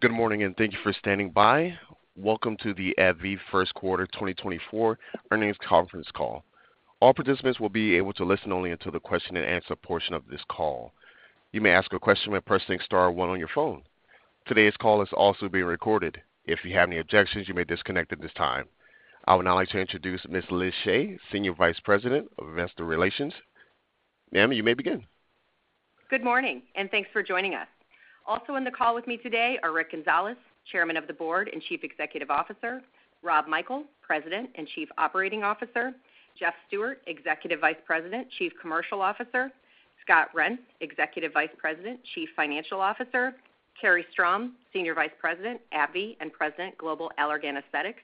Good morning, and thank you for standing by. Welcome to the AbbVie First Quarter 2024 Earnings Conference Call. All participants will be able to listen only until the question-and-answer portion of this call. You may ask a question by pressing star one on your phone. Today's call is also being recorded. If you have any objections, you may disconnect at this time. I would now like to introduce Ms. Liz Shea, Senior Vice President of Investor Relations. Ma'am, you may begin. Good morning, and thanks for joining us. Also on the call with me today are Rick Gonzalez, Chairman of the Board and Chief Executive Officer, Rob Michael, President and Chief Operating Officer, Jeff Stewart, Executive Vice President, Chief Commercial Officer, Scott Reents, Executive Vice President, Chief Financial Officer, Carrie Strom, Senior Vice President, AbbVie, and President, Global Allergan Aesthetics,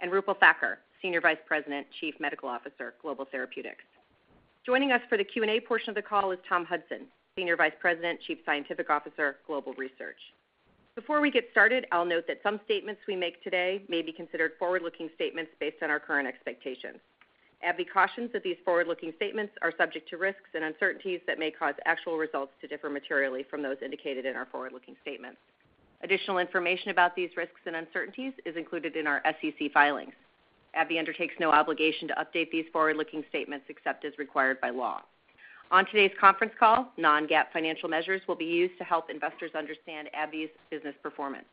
and Roopal Thakkar, Senior Vice President, Chief Medical Officer, Global Therapeutics. Joining us for the Q&A portion of the call is Tom Hudson, Senior Vice President, Chief Scientific Officer, Global Research. Before we get started, I'll note that some statements we make today may be considered forward-looking statements based on our current expectations. AbbVie cautions that these forward-looking statements are subject to risks and uncertainties that may cause actual results to differ materially from those indicated in our forward-looking statements. Additional information about these risks and uncertainties is included in our SEC filings. AbbVie undertakes no obligation to update these forward-looking statements except as required by law. On today's conference call, non-GAAP financial measures will be used to help investors understand AbbVie's business performance.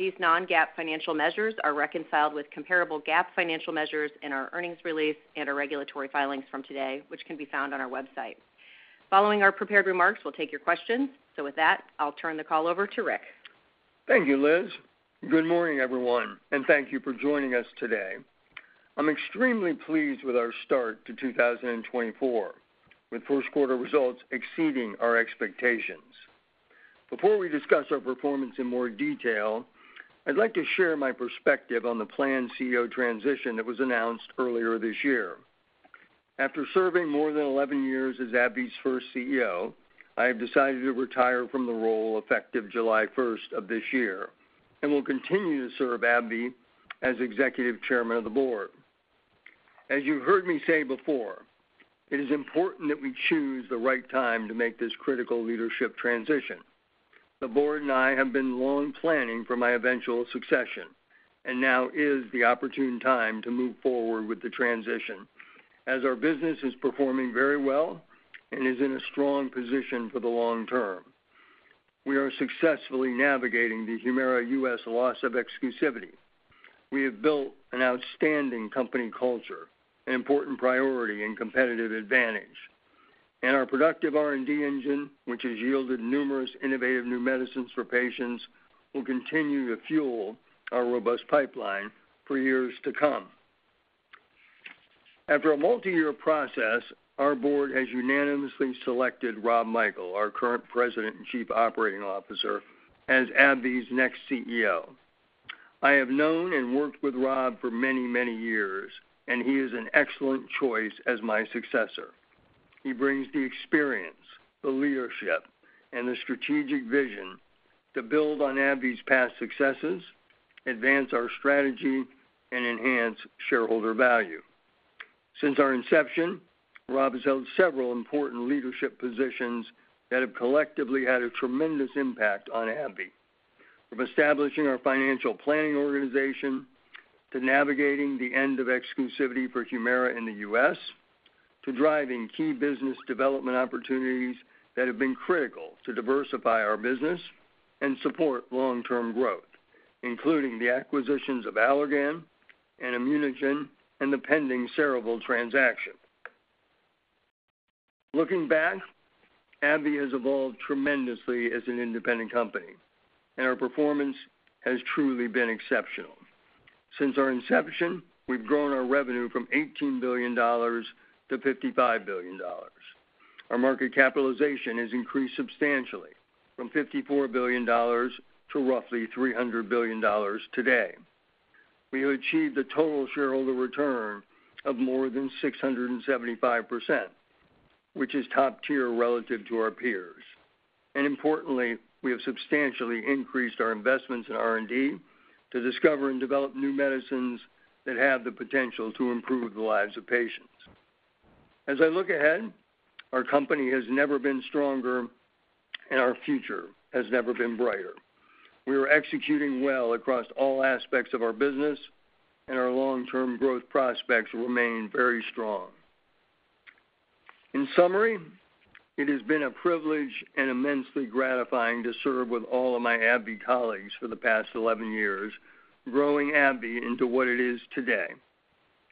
These non-GAAP financial measures are reconciled with comparable GAAP financial measures in our earnings release and our regulatory filings from today, which can be found on our website. Following our prepared remarks, we'll take your questions. With that, I'll turn the call over to Rick. Thank you, Liz. Good morning, everyone, and thank you for joining us today. I'm extremely pleased with our start to 2024, with first quarter results exceeding our expectations. Before we discuss our performance in more detail, I'd like to share my perspective on the planned CEO transition that was announced earlier this year. After serving more than 11 years as AbbVie's first CEO, I have decided to retire from the role effective July first of this year, and will continue to serve AbbVie as Executive Chairman of the Board. As you've heard me say before, it is important that we choose the right time to make this critical leadership transition. The board and I have been long planning for my eventual succession, and now is the opportune time to move forward with the transition, as our business is performing very well and is in a strong position for the long term. We are successfully navigating the Humira U.S. loss of exclusivity. We have built an outstanding company culture, an important priority and competitive advantage. And our productive R&D engine, which has yielded numerous innovative new medicines for patients, will continue to fuel our robust pipeline for years to come. After a multi-year process, our board has unanimously selected Rob Michael, our current President and Chief Operating Officer, as AbbVie's next CEO. I have known and worked with Rob for many, many years, and he is an excellent choice as my successor. He brings the experience, the leadership, and the strategic vision to build on AbbVie's past successes, advance our strategy, and enhance shareholder value. Since our inception, Rob has held several important leadership positions that have collectively had a tremendous impact on AbbVie, from establishing our financial planning organization, to navigating the end of exclusivity for Humira in the U.S., to driving key business development opportunities that have been critical to diversify our business and support long-term growth, including the acquisitions of Allergan and ImmunoGen and the pending Cerevel transaction. Looking back, AbbVie has evolved tremendously as an independent company, and our performance has truly been exceptional. Since our inception, we've grown our revenue from $18 billion to $55 billion. Our market capitalization has increased substantially from $54 billion to roughly $300 billion today. We have achieved a total shareholder return of more than 675%, which is top tier relative to our peers. Importantly, we have substantially increased our investments in R&D to discover and develop new medicines that have the potential to improve the lives of patients. As I look ahead, our company has never been stronger and our future has never been brighter. We are executing well across all aspects of our business, and our long-term growth prospects remain very strong. In summary, it has been a privilege and immensely gratifying to serve with all of my AbbVie colleagues for the past 11 years, growing AbbVie into what it is today,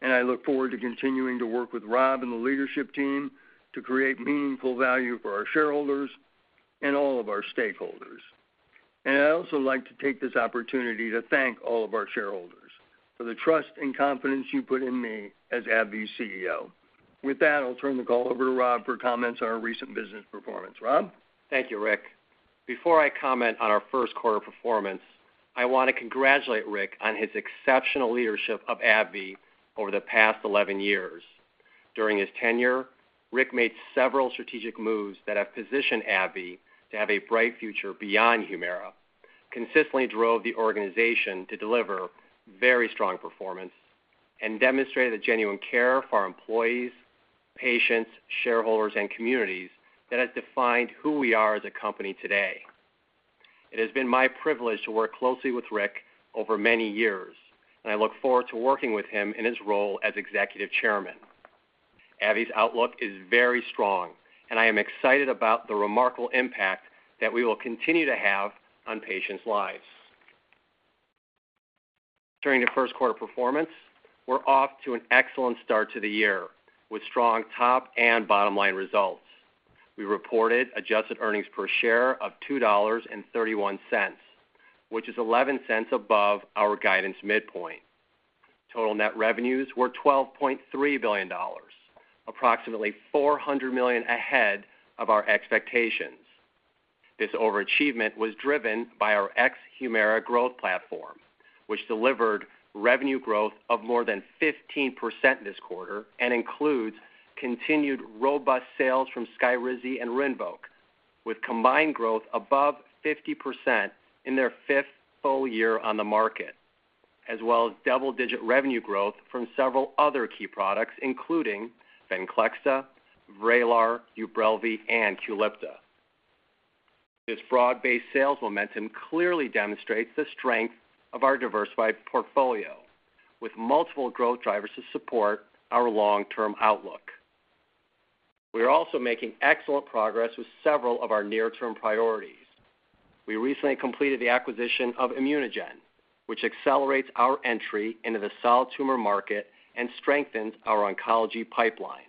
and I look forward to continuing to work with Rob and the leadership team to create meaningful value for our shareholders and all of our stakeholders. I'd also like to take this opportunity to thank all of our shareholders for the trust and confidence you put in me as AbbVie's CEO. With that, I'll turn the call over to Rob for comments on our recent business performance. Rob? Thank you, Rick. Before I comment on our first quarter performance, I want to congratulate Rick on his exceptional leadership of AbbVie over the past 11 years. During his tenure, Rick made several strategic moves that have positioned AbbVie to have a bright future beyond HUMIRA, consistently drove the organization to deliver very strong performance, and demonstrated a genuine care for our employees, patients, shareholders, and communities that has defined who we are as a company today. It has been my privilege to work closely with Rick over many years, and I look forward to working with him in his role as executive chairman. AbbVie's outlook is very strong, and I am excited about the remarkable impact that we will continue to have on patients' lives. During the first quarter performance, we're off to an excellent start to the year, with strong top and bottom-line results. We reported adjusted earnings per share of $2.31, which is 11 cents above our guidance midpoint. Total net revenues were $12.3 billion, approximately $400 million ahead of our expectations. This overachievement was driven by our ex-HUMIRA growth platform, which delivered revenue growth of more than 15% this quarter and includes continued robust sales from SKYRIZI and RINVOQ, with combined growth above 50% in their fifth full year on the market, as well as double-digit revenue growth from several other key products, including VENCLEXTA, VRAYLAR, UBRELVY, and QULIPTA. This broad-based sales momentum clearly demonstrates the strength of our diversified portfolio, with multiple growth drivers to support our long-term outlook. We are also making excellent progress with several of our near-term priorities. We recently completed the acquisition of ImmunoGen, which accelerates our entry into the solid tumor market and strengthens our oncology pipeline.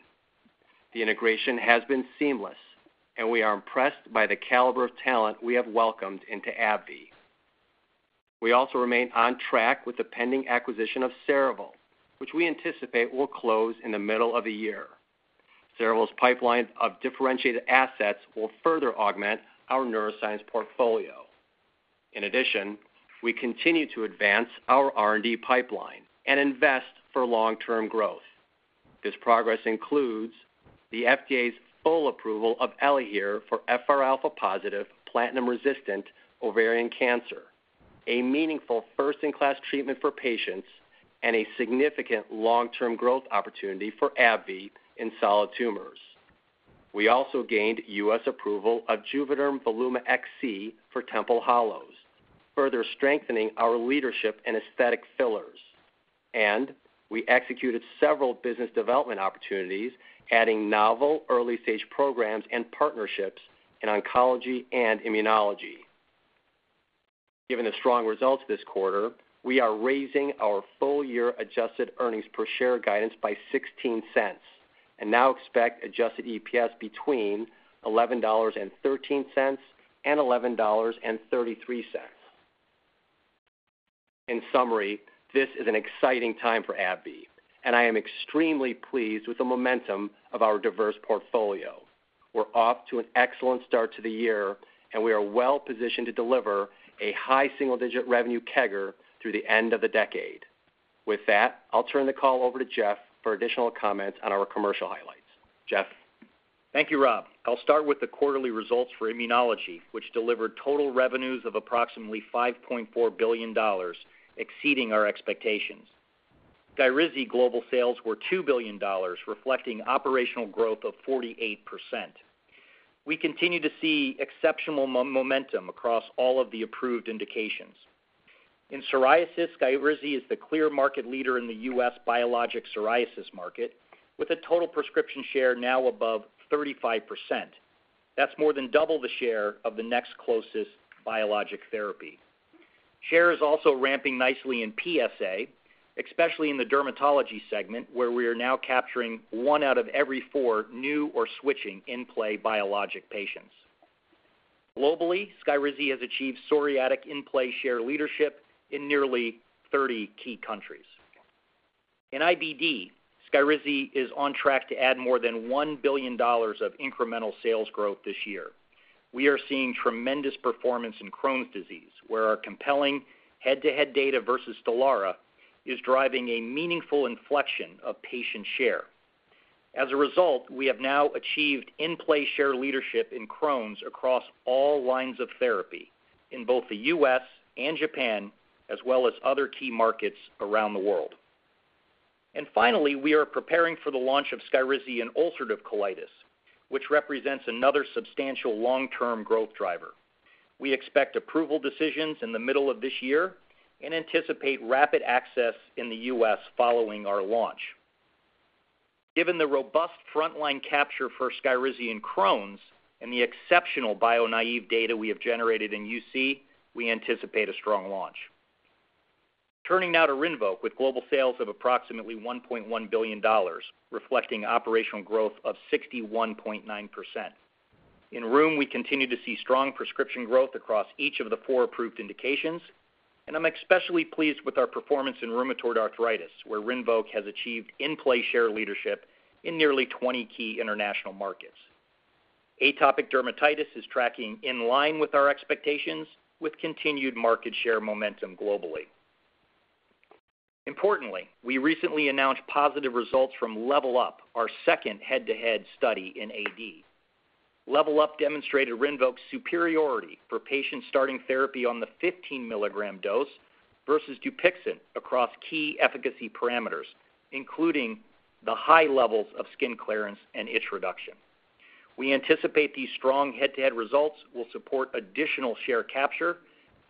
The integration has been seamless, and we are impressed by the caliber of talent we have welcomed into AbbVie. We also remain on track with the pending acquisition of Cerevel, which we anticipate will close in the middle of the year. Cerevel's pipeline of differentiated assets will further augment our neuroscience portfolio. In addition, we continue to advance our R&D pipeline and invest for long-term growth. This progress includes the FDA's full approval of ELAHERE for FR alpha-positive platinum-resistant ovarian cancer, a meaningful first-in-class treatment for patients and a significant long-term growth opportunity for AbbVie in solid tumors. We also gained U.S. approval of JUVÉDERM VOLUMA XC for temple hollows, further strengthening our leadership in aesthetic fillers, and we executed several business development opportunities, adding novel early-stage programs and partnerships in oncology and immunology. Given the strong results this quarter, we are raising our full-year adjusted earnings per share guidance by 16 cents and now expect adjusted EPS between $11.13 and $11.33. In summary, this is an exciting time for AbbVie, and I am extremely pleased with the momentum of our diverse portfolio. We're off to an excellent start to the year, and we are well-positioned to deliver a high single-digit revenue CAGR through the end of the decade. With that, I'll turn the call over to Jeff for additional comments on our commercial highlights. Jeff? Thank you, Rob. I'll start with the quarterly results for immunology, which delivered total revenues of approximately $5.4 billion, exceeding our expectations. SKYRIZI global sales were $2 billion, reflecting operational growth of 48%. We continue to see exceptional momentum across all of the approved indications. In psoriasis, SKYRIZI is the clear market leader in the U.S. biologic psoriasis market, with a total prescription share now above 35%. That's more than double the share of the next closest biologic therapy. Share is also ramping nicely in PsA, especially in the dermatology segment, where we are now capturing one out of every four new or switching in-play biologic patients. Globally, SKYRIZI has achieved psoriatic in-play share leadership in nearly 30 key countries. In IBD, SKYRIZI is on track to add more than $1 billion of incremental sales growth this year. We are seeing tremendous performance in Crohn's disease, where our compelling head-to-head data versus STELARA is driving a meaningful inflection of patient share. As a result, we have now achieved in-play share leadership in Crohn's across all lines of therapy in both the US and Japan, as well as other key markets around the world. And finally, we are preparing for the launch of SKYRIZI in ulcerative colitis, which represents another substantial long-term growth driver. We expect approval decisions in the middle of this year and anticipate rapid access in the US following our launch. Given the robust frontline capture for SKYRIZI in Crohn's and the exceptional bio-naive data we have generated in UC, we anticipate a strong launch. Turning now to RINVOQ, with global sales of approximately $1.1 billion, reflecting operational growth of 61.9%. In rheum, we continue to see strong prescription growth across each of the four approved indications, and I'm especially pleased with our performance in rheumatoid arthritis, where RINVOQ has achieved in-play share leadership in nearly 20 key international markets. Atopic dermatitis is tracking in line with our expectations, with continued market share momentum globally. Importantly, we recently announced positive results from Level Up, our second head-to-head study in AD. Level Up demonstrated RINVOQ's superiority for patients starting therapy on the 15 milligram dose versus DUPIXENT across key efficacy parameters, including the high levels of skin clearance and itch reduction. We anticipate these strong head-to-head results will support additional share capture,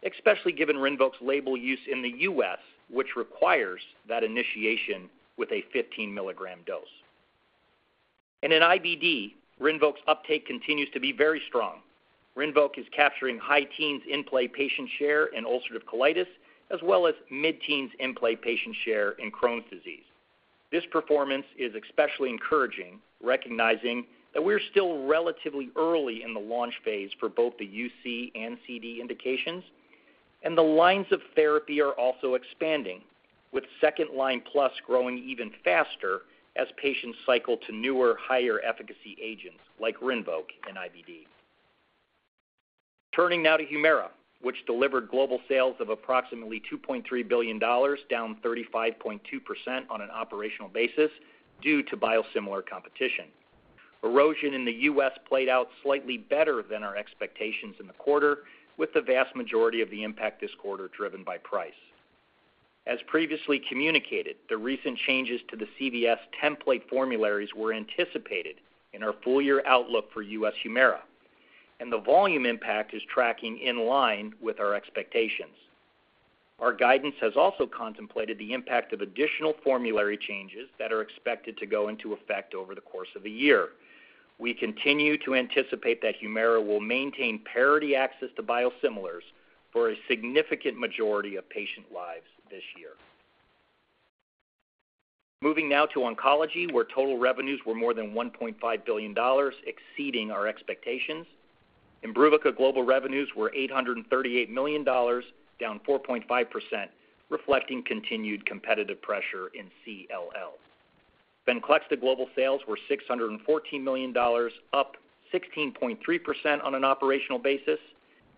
especially given RINVOQ's label use in the U.S., which requires that initiation with a 15 milligram dose. And in IBD, RINVOQ's uptake continues to be very strong. RINVOQ is capturing high teens in-play patient share in ulcerative colitis, as well as mid-teens in-play patient share in Crohn's disease. This performance is especially encouraging, recognizing that we're still relatively early in the launch phase for both the UC and CD indications, and the lines of therapy are also expanding, with second-line plus growing even faster as patients cycle to newer, higher-efficacy agents like RINVOQ in IBD. Turning now to HUMIRA, which delivered global sales of approximately $2.3 billion, down 35.2% on an operational basis due to biosimilar competition. Erosion in the U.S. played out slightly better than our expectations in the quarter, with the vast majority of the impact this quarter driven by price. As previously communicated, the recent changes to the CVS template formularies were anticipated in our full-year outlook for U.S. HUMIRA, and the volume impact is tracking in line with our expectations. Our guidance has also contemplated the impact of additional formulary changes that are expected to go into effect over the course of the year. We continue to anticipate that HUMIRA will maintain parity access to biosimilars for a significant majority of patient lives this year. Moving now to oncology, where total revenues were more than $1.5 billion, exceeding our expectations. IMBRUVICA global revenues were $838 million, down 4.5%, reflecting continued competitive pressure in CLL. Venclexta global sales were $614 million, up 16.3% on an operational basis,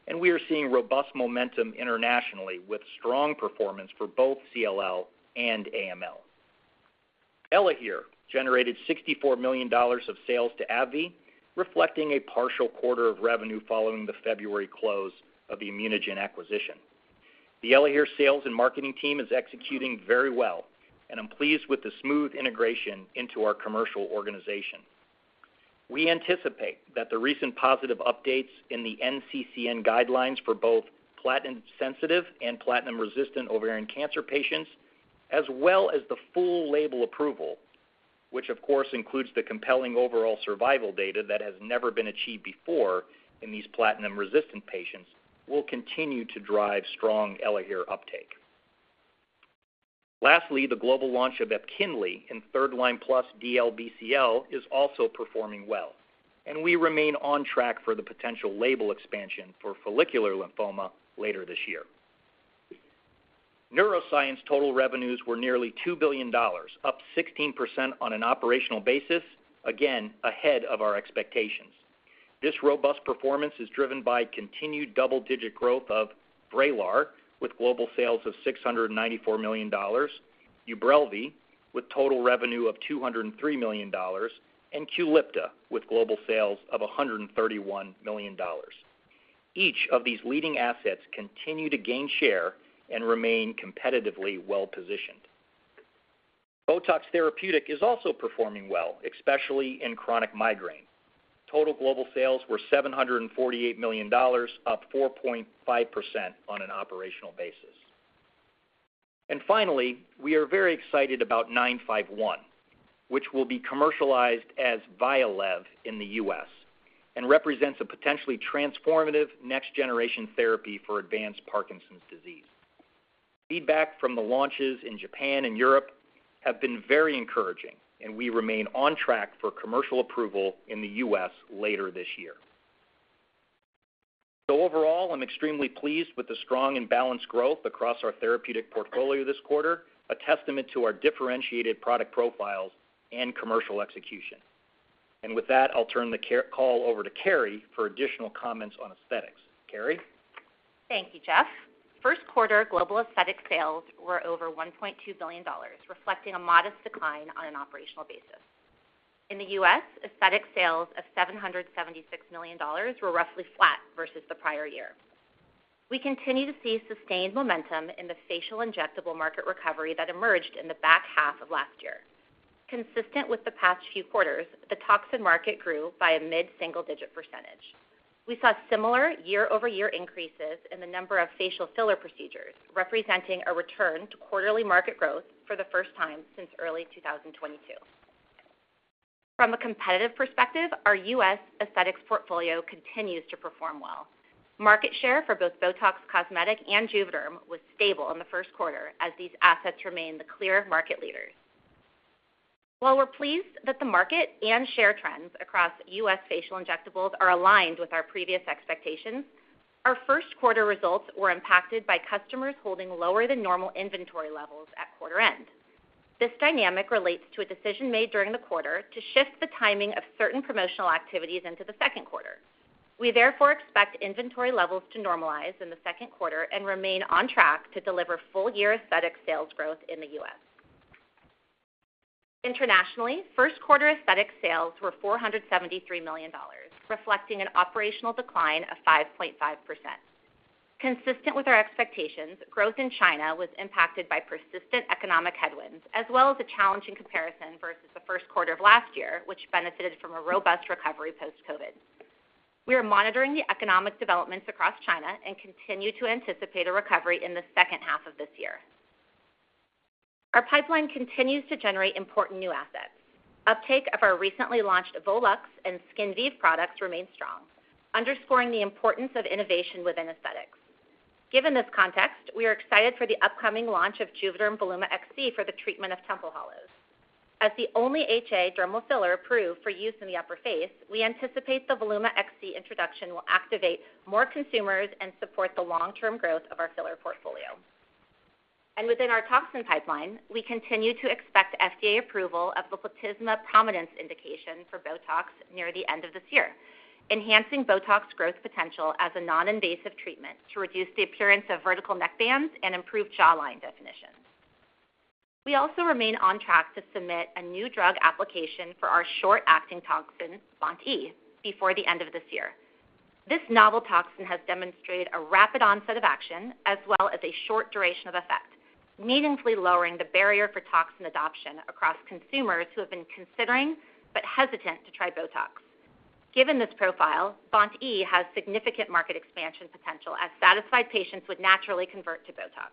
and we are seeing robust momentum internationally, with strong performance for both CLL and AML. ELAHERE generated $64 million of sales to AbbVie, reflecting a partial quarter of revenue following the February close of the ImmunoGen acquisition. The ELAHERE sales and marketing team is executing very well, and I'm pleased with the smooth integration into our commercial organization. We anticipate that the recent positive updates in the NCCN guidelines for both platinum-sensitive and platinum-resistant ovarian cancer patients, as well as the full label approval, which of course includes the compelling overall survival data that has never been achieved before in these platinum-resistant patients, will continue to drive strong ELAHERE uptake. Lastly, the global launch of EPKINLY in third-line plus DLBCL is also performing well, and we remain on track for the potential label expansion for follicular lymphoma later this year. Neuroscience total revenues were nearly $2 billion, up 16% on an operational basis, again, ahead of our expectations. This robust performance is driven by continued double-digit growth of VRAYLAR, with global sales of $694 million, UBRELVY, with total revenue of $203 million, and QULIPTA, with global sales of $131 million. Each of these leading assets continue to gain share and remain competitively well-positioned. BOTOX Therapeutic is also performing well, especially in chronic migraine. Total global sales were $748 million, up 4.5% on an operational basis. Finally, we are very excited about 951, which will be commercialized as VYALEV in the U.S. and represents a potentially transformative next-generation therapy for advanced Parkinson's disease. Feedback from the launches in Japan and Europe have been very encouraging, and we remain on track for commercial approval in the U.S. later this year. So overall, I'm extremely pleased with the strong and balanced growth across our therapeutic portfolio this quarter, a testament to our differentiated product profiles and commercial execution. And with that, I'll turn the call over to Carrie for additional comments on aesthetics. Carrie? Thank you, Jeff. First quarter global aesthetics sales were over $1.2 billion, reflecting a modest decline on an operational basis. In the U.S., aesthetics sales of $776 million were roughly flat versus the prior year. We continue to see sustained momentum in the facial injectable market recovery that emerged in the back half of last year. Consistent with the past few quarters, the toxin market grew by a mid-single-digit %. We saw similar year-over-year increases in the number of facial filler procedures, representing a return to quarterly market growth for the first time since early 2022. From a competitive perspective, our U.S. aesthetics portfolio continues to perform well. Market share for both BOTOX Cosmetic and JUVÉDERM was stable in the first quarter as these assets remain the clear market leaders. While we're pleased that the market and share trends across U.S. facial injectables are aligned with our previous expectations, our first quarter results were impacted by customers holding lower than normal inventory levels at quarter end. This dynamic relates to a decision made during the quarter to shift the timing of certain promotional activities into the second quarter. We therefore expect inventory levels to normalize in the second quarter and remain on track to deliver full-year aesthetic sales growth in the U.S.. Internationally, first quarter Aesthetics sales were $473 million, reflecting an operational decline of 5.5%. Consistent with our expectations, growth in China was impacted by persistent economic headwinds, as well as a challenging comparison versus the first quarter of last year, which benefited from a robust recovery post-COVID. We are monitoring the economic developments across China and continue to anticipate a recovery in the second half of this year. Our pipeline continues to generate important new assets. Uptake of our recently launched Volux and Skinvive products remains strong, underscoring the importance of innovation within Aesthetics. Given this context, we are excited for the upcoming launch of Juvéderm Voluma XC for the treatment of temple hollows. As the only HA dermal filler approved for use in the upper face, we anticipate the Voluma XC introduction will activate more consumers and support the long-term growth of our filler portfolio. Within our toxin pipeline, we continue to expect FDA approval of the platysma prominence indication for BOTOX near the end of this year, enhancing BOTOX's growth potential as a non-invasive treatment to reduce the appearance of vertical neckbands and improve jawline definitions. We also remain on track to submit a new drug application for our short-acting toxin, BoNT/E, before the end of this year. This novel toxin has demonstrated a rapid onset of action as well as a short duration of effect, meaningfully lowering the barrier for toxin adoption across consumers who have been considering but hesitant to try BOTOX. Given this profile, BoNT/E has significant market expansion potential as satisfied patients would naturally convert to BOTOX.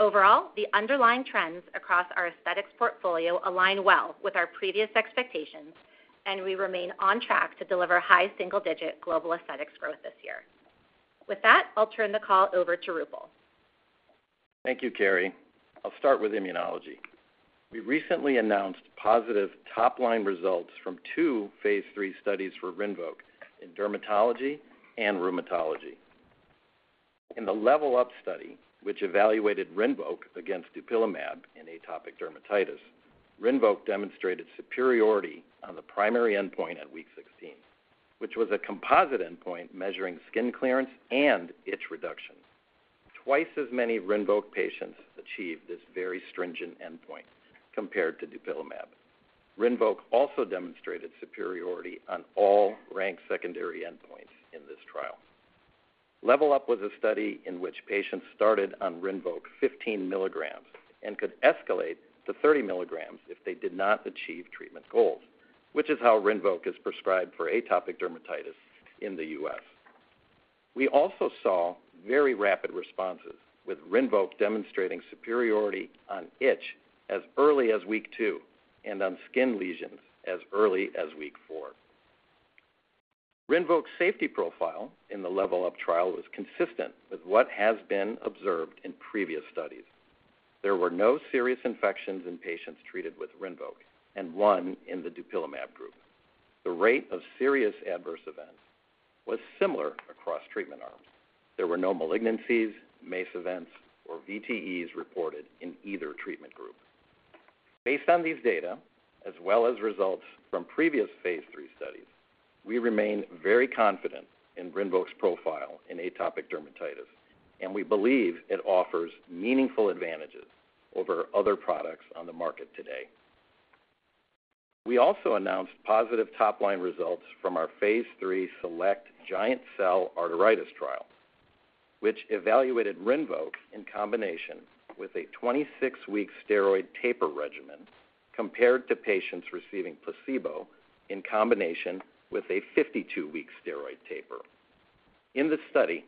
Overall, the underlying trends across our Aesthetics portfolio align well with our previous expectations, and we remain on track to deliver high single-digit global Aesthetics growth this year. With that, I'll turn the call over to Roopal. Thank you, Carrie. I'll start with Immunology. We recently announced positive top-line results from two phase III studies for RINVOQ in dermatology and rheumatology. In the Level Up study, which evaluated RINVOQ against dupilumab in atopic dermatitis, RINVOQ demonstrated superiority on the primary endpoint at week 16, which was a composite endpoint measuring skin clearance and itch reduction. Twice as many RINVOQ patients achieved this very stringent endpoint compared to dupilumab. RINVOQ also demonstrated superiority on all ranked secondary endpoints in this trial. Level Up was a study in which patients started on RINVOQ 15 milligrams and could escalate to 30 milligrams if they did not achieve treatment goals, which is how RINVOQ is prescribed for atopic dermatitis in the US. We also saw very rapid responses, with RINVOQ demonstrating superiority on itch as early as week two and on skin lesions as early as week four. RINVOQ's safety profile in the Level Up trial was consistent with what has been observed in previous studies. There were no serious infections in patients treated with RINVOQ and one in the dupilumab group. The rate of serious adverse events was similar across treatment arms. There were no malignancies, MACE events, or VTEs reported in either treatment group. Based on these data, as well as results from previous phase III studies, we remain very confident in RINVOQ's profile in atopic dermatitis, and we believe it offers meaningful advantages over other products on the market today. We also announced positive top-line results from our phase III Select Giant Cell Arteritis trial, which evaluated RINVOQ in combination with a 26-week steroid taper regimen, compared to patients receiving placebo in combination with a 52-week steroid taper. In this study,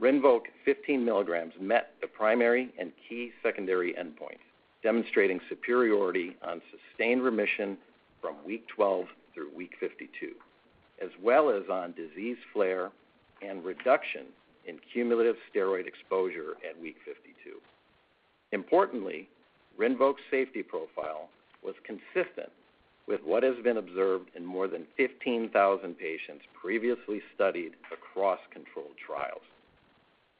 RINVOQ 15 milligrams met the primary and key secondary endpoint, demonstrating superiority on sustained remission from week 12 through week 52, as well as on disease flare and reduction in cumulative steroid exposure at week 52. Importantly, RINVOQ's safety profile was consistent with what has been observed in more than 15,000 patients previously studied across controlled trials.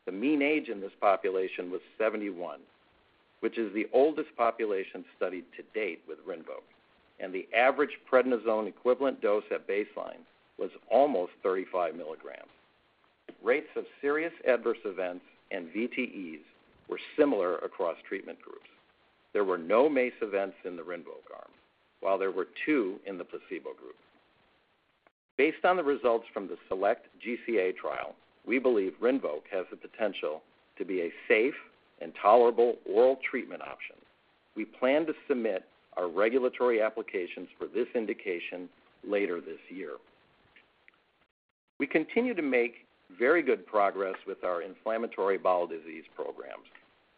The mean age in this population was 71, which is the oldest population studied to date with RINVOQ, and the average prednisone equivalent dose at baseline was almost 35 milligrams. Rates of serious adverse events and VTEs were similar across treatment groups. There were no MACE events in the RINVOQ arm, while there were two in the placebo group. Based on the results from the Select GCA trial, we believe RINVOQ has the potential to be a safe and tolerable oral treatment option. We plan to submit our regulatory applications for this indication later this year. We continue to make very good progress with our inflammatory bowel disease programs.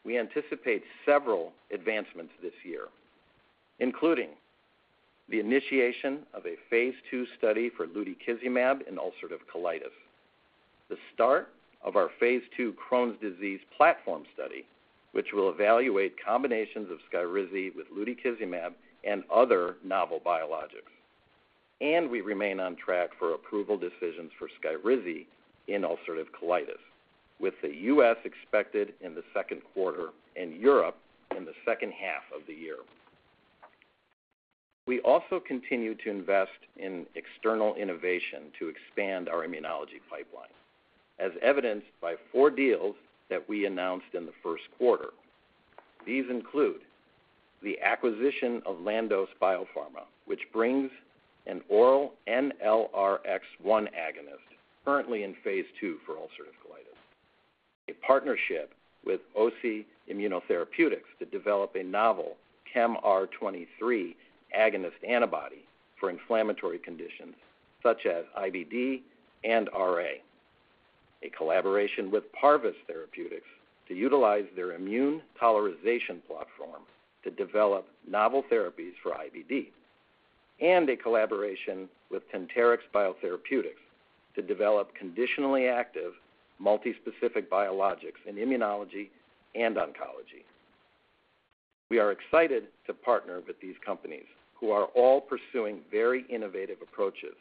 We anticipate several advancements this year, including the initiation of a phase II study for lutikizumab in ulcerative colitis, the start of our phase II Crohn's disease platform study, which will evaluate combinations of SKYRIZI with lutikizumab and other novel biologics. We remain on track for approval decisions for SKYRIZI in ulcerative colitis, with the US expected in the second quarter and Europe in the second half of the year. We also continue to invest in external innovation to expand our immunology pipeline, as evidenced by 4 deals that we announced in the first quarter. These include the acquisition of Landos Biopharma, which brings an oral NLRP3 agonist, currently in phase II for ulcerative colitis. A partnership with OSE Immunotherapeutics to develop a novel ChemR23 agonist antibody for inflammatory conditions such as IBD and RA. A collaboration with Parvus Therapeutics to utilize their immune tolerization platform to develop novel therapies for IBD, and a collaboration with Tentarix Biotherapeutics to develop conditionally active, multispecific biologics in immunology and oncology. We are excited to partner with these companies, who are all pursuing very innovative approaches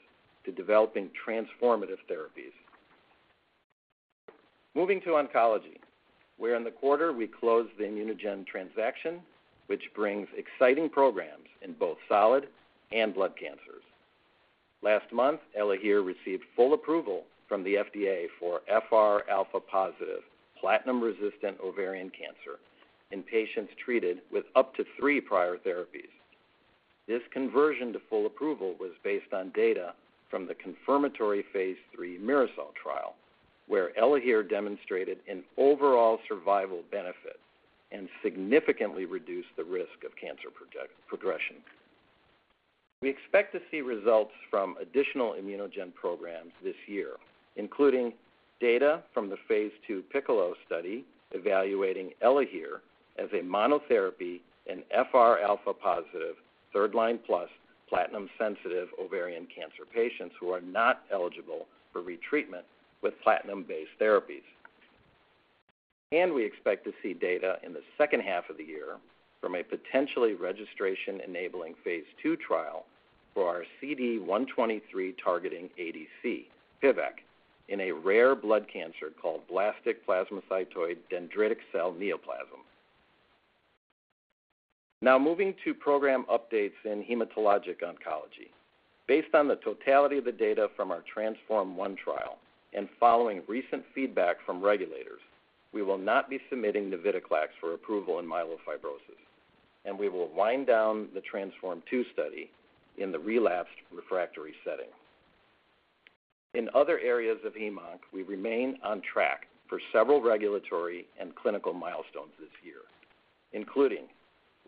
to developing transformative therapies. Moving to oncology, where in the quarter, we closed the ImmunoGen transaction, which brings exciting programs in both solid and blood cancers. Last month, ELAHERE received full approval from the FDA for FR alpha-positive, platinum-resistant ovarian cancer in patients treated with up to three prior therapies. This conversion to full approval was based on data from the confirmatory phase III Mirasol trial, where ELAHERE demonstrated an overall survival benefit and significantly reduced the risk of cancer progression. We expect to see results from additional ImmunoGen programs this year, including data from the phase two Piccolo study, evaluating ELAHERE as a monotherapy in FR alpha-positive, third-line plus platinum-sensitive ovarian cancer patients who are not eligible for retreatment with platinum-based therapies. And we expect to see data in the second half of the year from a potentially registration-enabling phase two trial for our CD123 targeting ADC, Pivekimab sunirine, in a rare blood cancer called blastic plasmacytoid dendritic cell neoplasm. Now moving to program updates in hematologic oncology. Based on the totality of the data from our Transform-1 trial and following recent feedback from regulators, we will not be submitting navitoclax for approval in myelofibrosis, and we will wind down the Transform-2 study in the relapsed refractory setting. In other areas of hem/onc, we remain on track for several regulatory and clinical milestones this year, including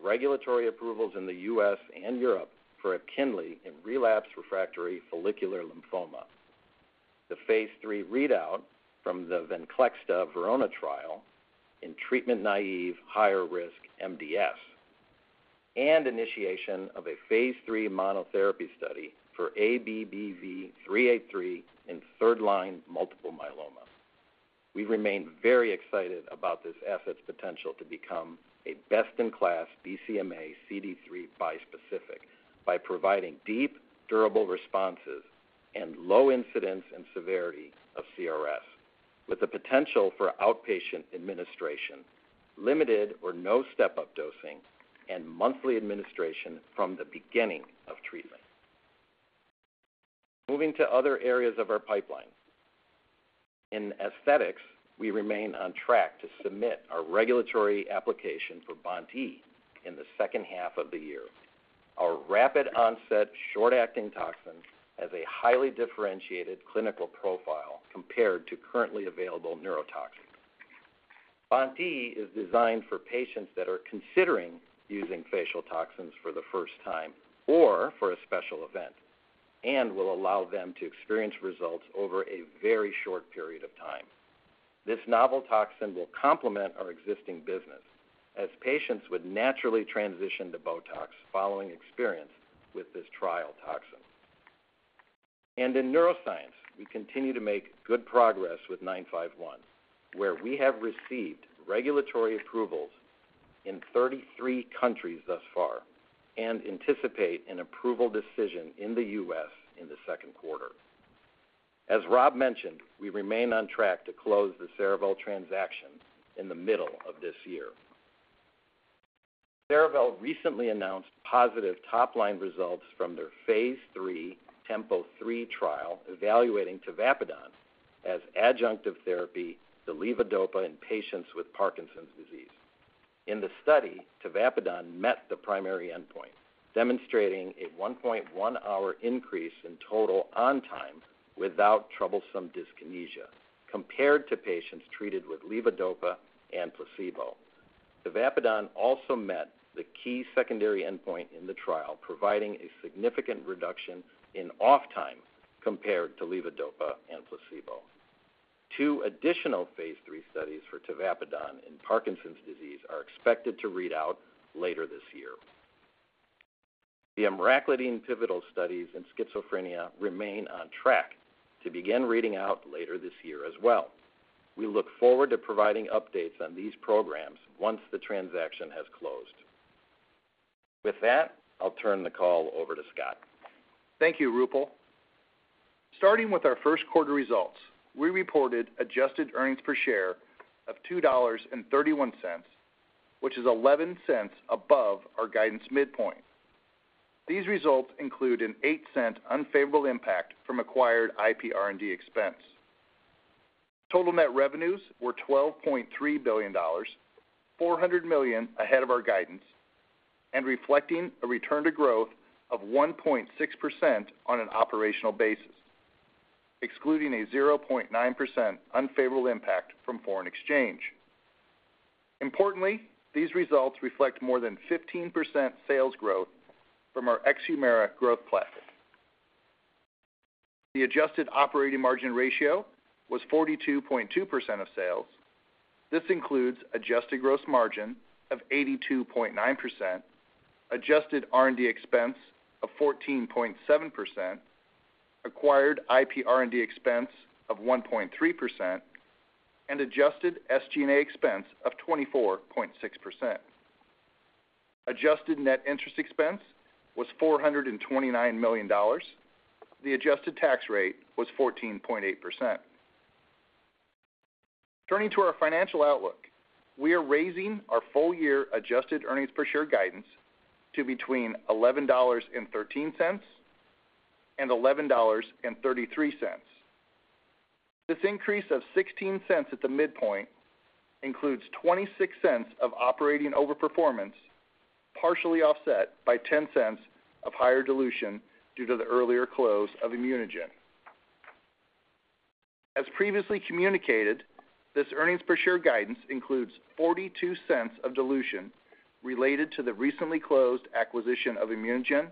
regulatory approvals in the U.S. and Europe for EPKINLY in relapsed refractory follicular lymphoma, the phase three readout from the Venclexta Verona trial in treatment-naive, higher-risk MDS, and initiation of a phase three monotherapy study for ABBV-383 in third-line multiple myeloma. We remain very excited about this asset's potential to become a best-in-class BCMA CD3 bispecific by providing deep, durable responses and low incidence and severity of CRS, with the potential for outpatient administration, limited or no step-up dosing, and monthly administration from the beginning of treatment. Moving to other areas of our pipeline. In aesthetics, we remain on track to submit our regulatory application for BoNT/E in the second half of the year. Our rapid onset, short-acting toxin has a highly differentiated clinical profile compared to currently available neurotoxins. BoNT/E is designed for patients that are considering using facial toxins for the first time or for a special event, and will allow them to experience results over a very short period of time. This novel toxin will complement our existing business as patients would naturally transition to BOTOX following experience with this trial toxin. In neuroscience, we continue to make good progress with 951, where we have received regulatory approvals in 33 countries thus far and anticipate an approval decision in the U.S. in the second quarter. As Rob mentioned, we remain on track to close the Cerevel transaction in the middle of this year. Cerevel recently announced positive top-line results from their phase III TEMPO3 trial, evaluating Tavapadon as adjunctive therapy to levodopa in patients with Parkinson's disease. In the study, Tavapadon met the primary endpoint, demonstrating a 1.1-hour increase in total on time without troublesome dyskinesia compared to patients treated with levodopa and placebo. Tavapadon also met the key secondary endpoint in the trial, providing a significant reduction in off time compared to levodopa and placebo. Two additional phase III studies for Tavapadon in Parkinson's disease are expected to read out later this year. The Emraclidine pivotal studies in schizophrenia remain on track to begin reading out later this year as well. We look forward to providing updates on these programs once the transaction has closed. With that, I'll turn the call over to Scott. Thank you, Roopal. Starting with our first quarter results, we reported adjusted earnings per share of $2.31, which is 11 cents above our guidance midpoint. These results include an 8-cent unfavorable impact from acquired IP R&D expense. Total net revenues were $12.3 billion, $400 million ahead of our guidance, and reflecting a return to growth of 1.6% on an operational basis, excluding a 0.9% unfavorable impact from foreign exchange. Importantly, these results reflect more than 15% sales growth from our ex-Humira growth platform. The adjusted operating margin ratio was 42.2% of sales. This includes adjusted gross margin of 82.9%, adjusted R&D expense of 14.7%, acquired IP R&D expense of 1.3%, and adjusted SG&A expense of 24.6%. Adjusted net interest expense was $429 million. The adjusted tax rate was 14.8%. Turning to our financial outlook, we are raising our full-year adjusted earnings per share guidance to between $11.13 and $11.33. This increase of 16 cents at the midpoint includes 26 cents of operating overperformance, partially offset by 10 cents of higher dilution due to the earlier close of ImmunoGen. As previously communicated, this earnings per share guidance includes 42 cents of dilution related to the recently closed acquisition of ImmunoGen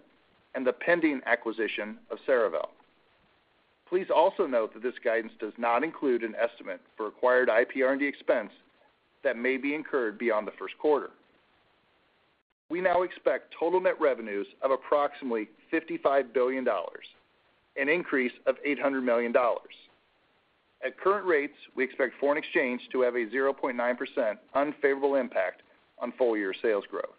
and the pending acquisition of Cerevel. Please also note that this guidance does not include an estimate for acquired IP R&D expense that may be incurred beyond the first quarter. We now expect total net revenues of approximately $55 billion, an increase of $800 million. At current rates, we expect foreign exchange to have a 0.9% unfavorable impact on full-year sales growth.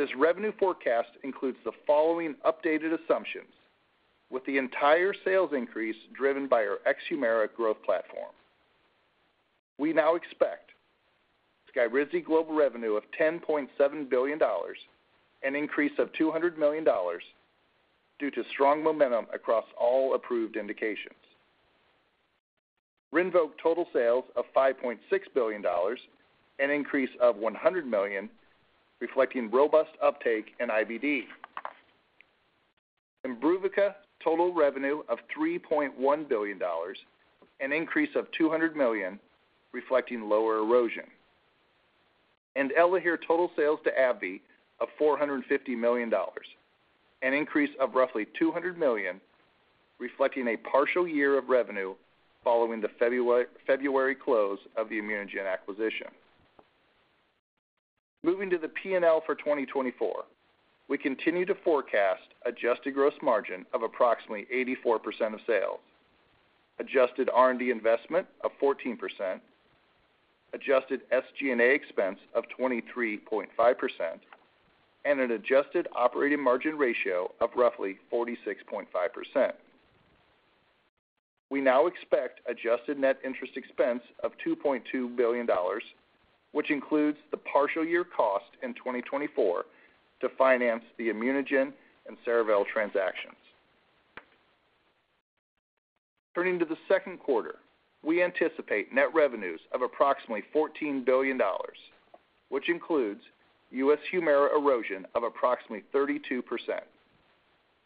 This revenue forecast includes the following updated assumptions, with the entire sales increase driven by our ex-HUMIRA growth platform. We now expect SKYRIZI global revenue of $10.7 billion, an increase of $200 million, due to strong momentum across all approved indications. RINVOQ total sales of $5.6 billion, an increase of $100 million, reflecting robust uptake in IBD. IMBRUVICA total revenue of $3.1 billion, an increase of $200 million, reflecting lower erosion. And ELAHERE total sales to AbbVie of $450 million, an increase of roughly $200 million, reflecting a partial year of revenue following the February, February close of the ImmunoGen acquisition. Moving to the P&L for 2024, we continue to forecast adjusted gross margin of approximately 84% of sales, adjusted R&D investment of 14%, adjusted SG&A expense of 23.5%, and an adjusted operating margin ratio of roughly 46.5%. We now expect adjusted net interest expense of $2.2 billion, which includes the partial year cost in 2024 to finance the ImmunoGen and Cerevel transactions. Turning to the second quarter, we anticipate net revenues of approximately $14 billion, which includes US Humira erosion of approximately 32%,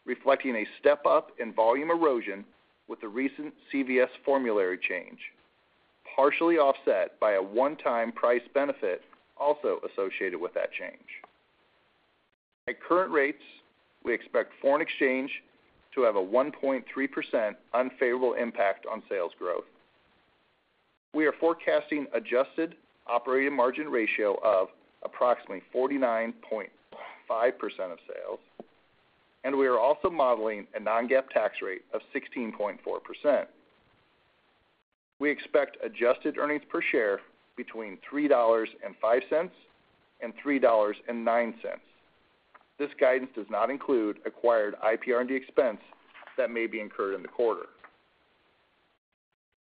reflecting a step-up in volume erosion with the recent CVS formulary change, partially offset by a one-time price benefit also associated with that change. At current rates, we expect foreign exchange to have a 1.3% unfavorable impact on sales growth. We are forecasting adjusted operating margin ratio of approximately 49.5% of sales, and we are also modeling a non-GAAP tax rate of 16.4%. We expect adjusted earnings per share between $3.05 and $3.09. This guidance does not include acquired IP R&D expense that may be incurred in the quarter.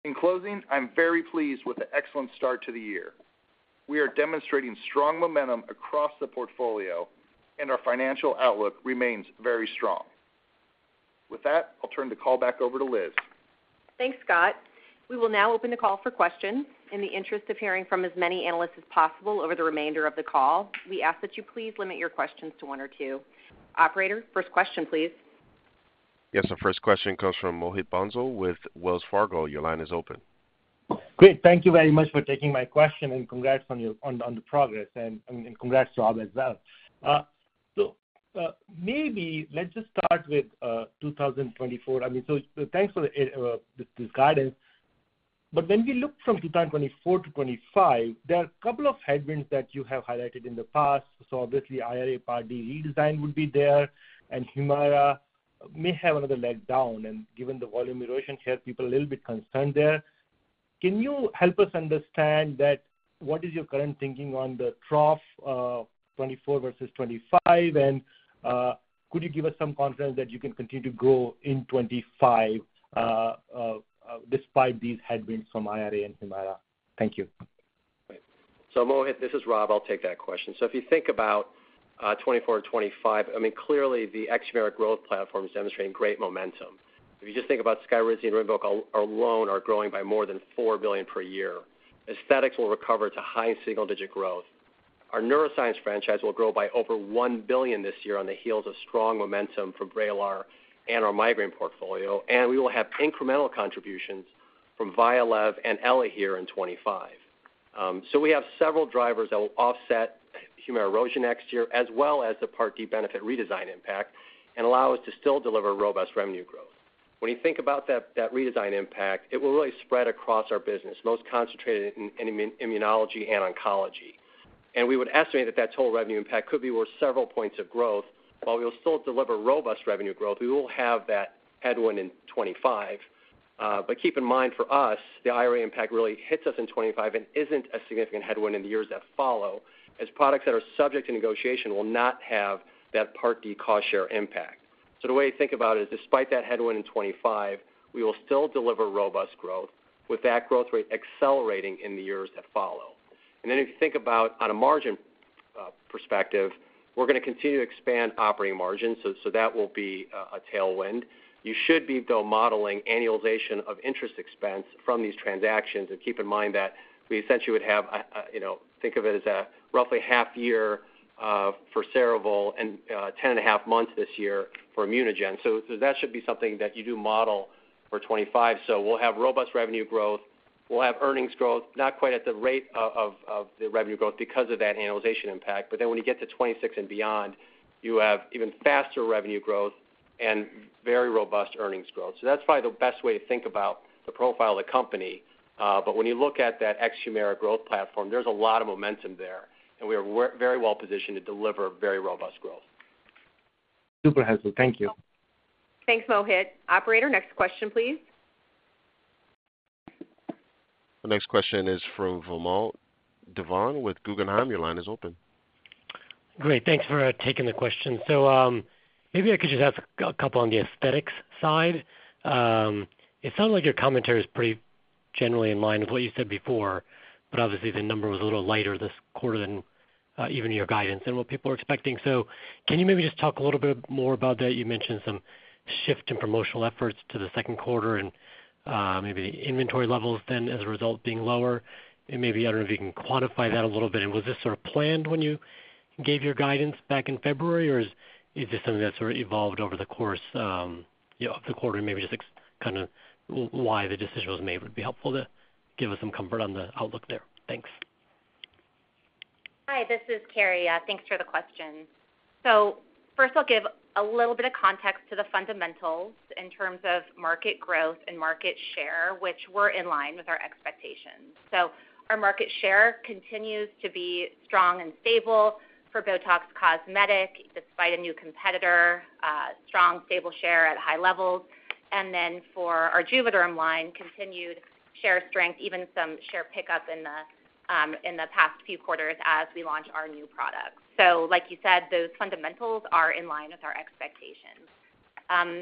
In closing, I'm very pleased with the excellent start to the year. We are demonstrating strong momentum across the portfolio, and our financial outlook remains very strong. With that, I'll turn the call back over to Liz. Thanks, Scott. We will now open the call for questions. In the interest of hearing from as many analysts as possible over the remainder of the call, we ask that you please limit your questions to one or two. Operator, first question, please. Yes, the first question comes from Mohit Bansal with Wells Fargo. Your line is open. Great. Thank you very much for taking my question, and congrats on the progress, and congrats to all as well. So, maybe let's just start with 2024. I mean, so thanks for the this guidance. But when we look from 2024 to 2025, there are a couple of headwinds that you have highlighted in the past. So obviously, IRA Part D redesign would be there, and HUMIRA may have another leg down. And given the volume erosion here, people are a little bit concerned there. Can you help us understand that, what is your current thinking on the trough, 2024 versus 2025? And, could you give us some confidence that you can continue to grow in 2025, despite these headwinds from IRA and HUMIRA? Thank you. So Mohit, this is Rob. I'll take that question. So if you think about 2024 and 2025, I mean, clearly, the ex-Humira growth platform is demonstrating great momentum. If you just think about SKYRIZI and RINVOQ alone are growing by more than $4 billion per year. Aesthetics will recover to high single-digit growth. Our neuroscience franchise will grow by over $1 billion this year on the heels of strong momentum from VRAYLAR and our migraine portfolio, and we will have incremental contributions from VYALEV and ELAHERE here in 2025. So we have several drivers that will offset HUMIRA erosion next year, as well as the Part D benefit redesign impact, and allow us to still deliver robust revenue growth. When you think about that, that redesign impact, it will really spread across our business, most concentrated in immunology and oncology. We would estimate that that total revenue impact could be worth several points of growth. While we will still deliver robust revenue growth, we will have that headwind in 2025. But keep in mind, for us, the IRA impact really hits us in 2025 and isn't a significant headwind in the years that follow, as products that are subject to negotiation will not have that Part D cost share impact. So the way to think about it is, despite that headwind in 2025, we will still deliver robust growth, with that growth rate accelerating in the years that follow. Then if you think about on a margin perspective, we're going to continue to expand operating margins, so, so that will be a, a tailwind. You should be, though, modeling annualization of interest expense from these transactions, and keep in mind that we essentially would have a you know, think of it as a roughly half year for Cerevel and ten and a half months this year for ImmunoGen. So that should be something that you do model for 25. So we'll have robust revenue growth. We'll have earnings growth, not quite at the rate of the revenue growth because of that annualization impact. But then when you get to 26 and beyond, you have even faster revenue growth and very robust earnings growth. So that's probably the best way to think about the profile of the company. But when you look at that ex-Humira growth platform, there's a lot of momentum there, and we are very well positioned to deliver very robust growth. Super helpful. Thank you. Thanks, Mohit. Operator, next question, please. The next question is from Vamil Divan with Guggenheim. Your line is open. Great. Thanks for taking the question. So, maybe I could just ask a couple on the aesthetics side. It sounds like your commentary is pretty generally in line with what you said before, but obviously, the number was a little lighter this quarter than even your guidance and what people are expecting. So can you maybe just talk a little bit more about that? You mentioned some shift in promotional efforts to the second quarter and maybe inventory levels then as a result, being lower. And maybe, I don't know if you can quantify that a little bit. And was this sort of planned when you gave your guidance back in February, or is this something that's sort of evolved over the course, you know, of the quarter? And maybe just kind of why the decision was made? It would be helpful to give us some comfort on the outlook there. Thanks. Hi, this is Carrie. Thanks for the question. So first, I'll give a little bit of context to the fundamentals in terms of market growth and market share, which were in line with our expectations. So our market share continues to be strong and stable for BOTOX Cosmetic, despite a new competitor, strong, stable share at high levels. And then for our JUVÉDERM line, continued share strength, even some share pickup in the, in the past few quarters as we launch our new products. So like you said, those fundamentals are in line with our expectations.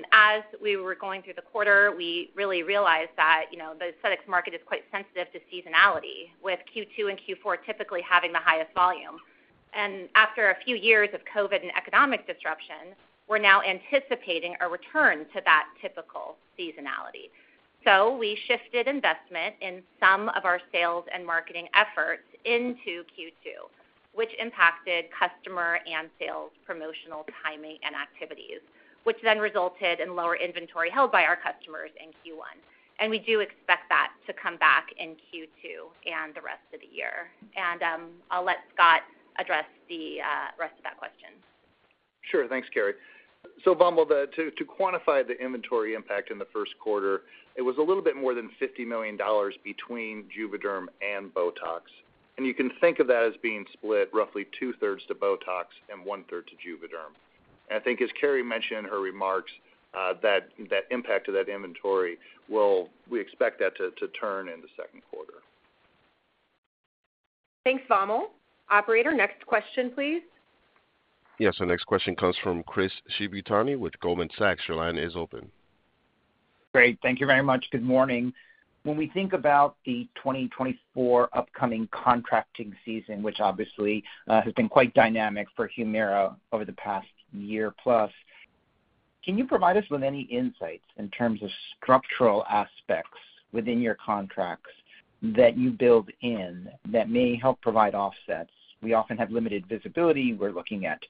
As we were going through the quarter, we really realized that, you know, the aesthetics market is quite sensitive to seasonality, with Q2 and Q4 typically having the highest volume. And after a few years of COVID and economic disruption, we're now anticipating a return to that typical seasonality. So we shifted investment in some of our sales and marketing efforts into Q2, which impacted customer and sales, promotional timing and activities, which then resulted in lower inventory held by our customers in Q1. And we do expect that to come back in Q2 and the rest of the year. I'll let Scott address the rest of that question. Sure. Thanks, Carrie. So Vamil, to quantify the inventory impact in the first quarter, it was a little bit more than $50 million between JUVÉDERM and BOTOX, and you can think of that as being split roughly two-thirds to BOTOX and one-third to JUVÉDERM. And I think as Carrie mentioned in her remarks, that impact to that inventory will, we expect that to turn in the second quarter. Thanks, Vamil. Operator, next question, please. Yes, our next question comes from Chris Shibutani with Goldman Sachs. Your line is open. Great. Thank you very much. Good morning. When we think about the 2024 upcoming contracting season, which obviously has been quite dynamic for HUMIRA over the past year plus, can you provide us with any insights in terms of structural aspects within your contracts that you build in that may help provide offsets? We often have limited visibility. We're looking at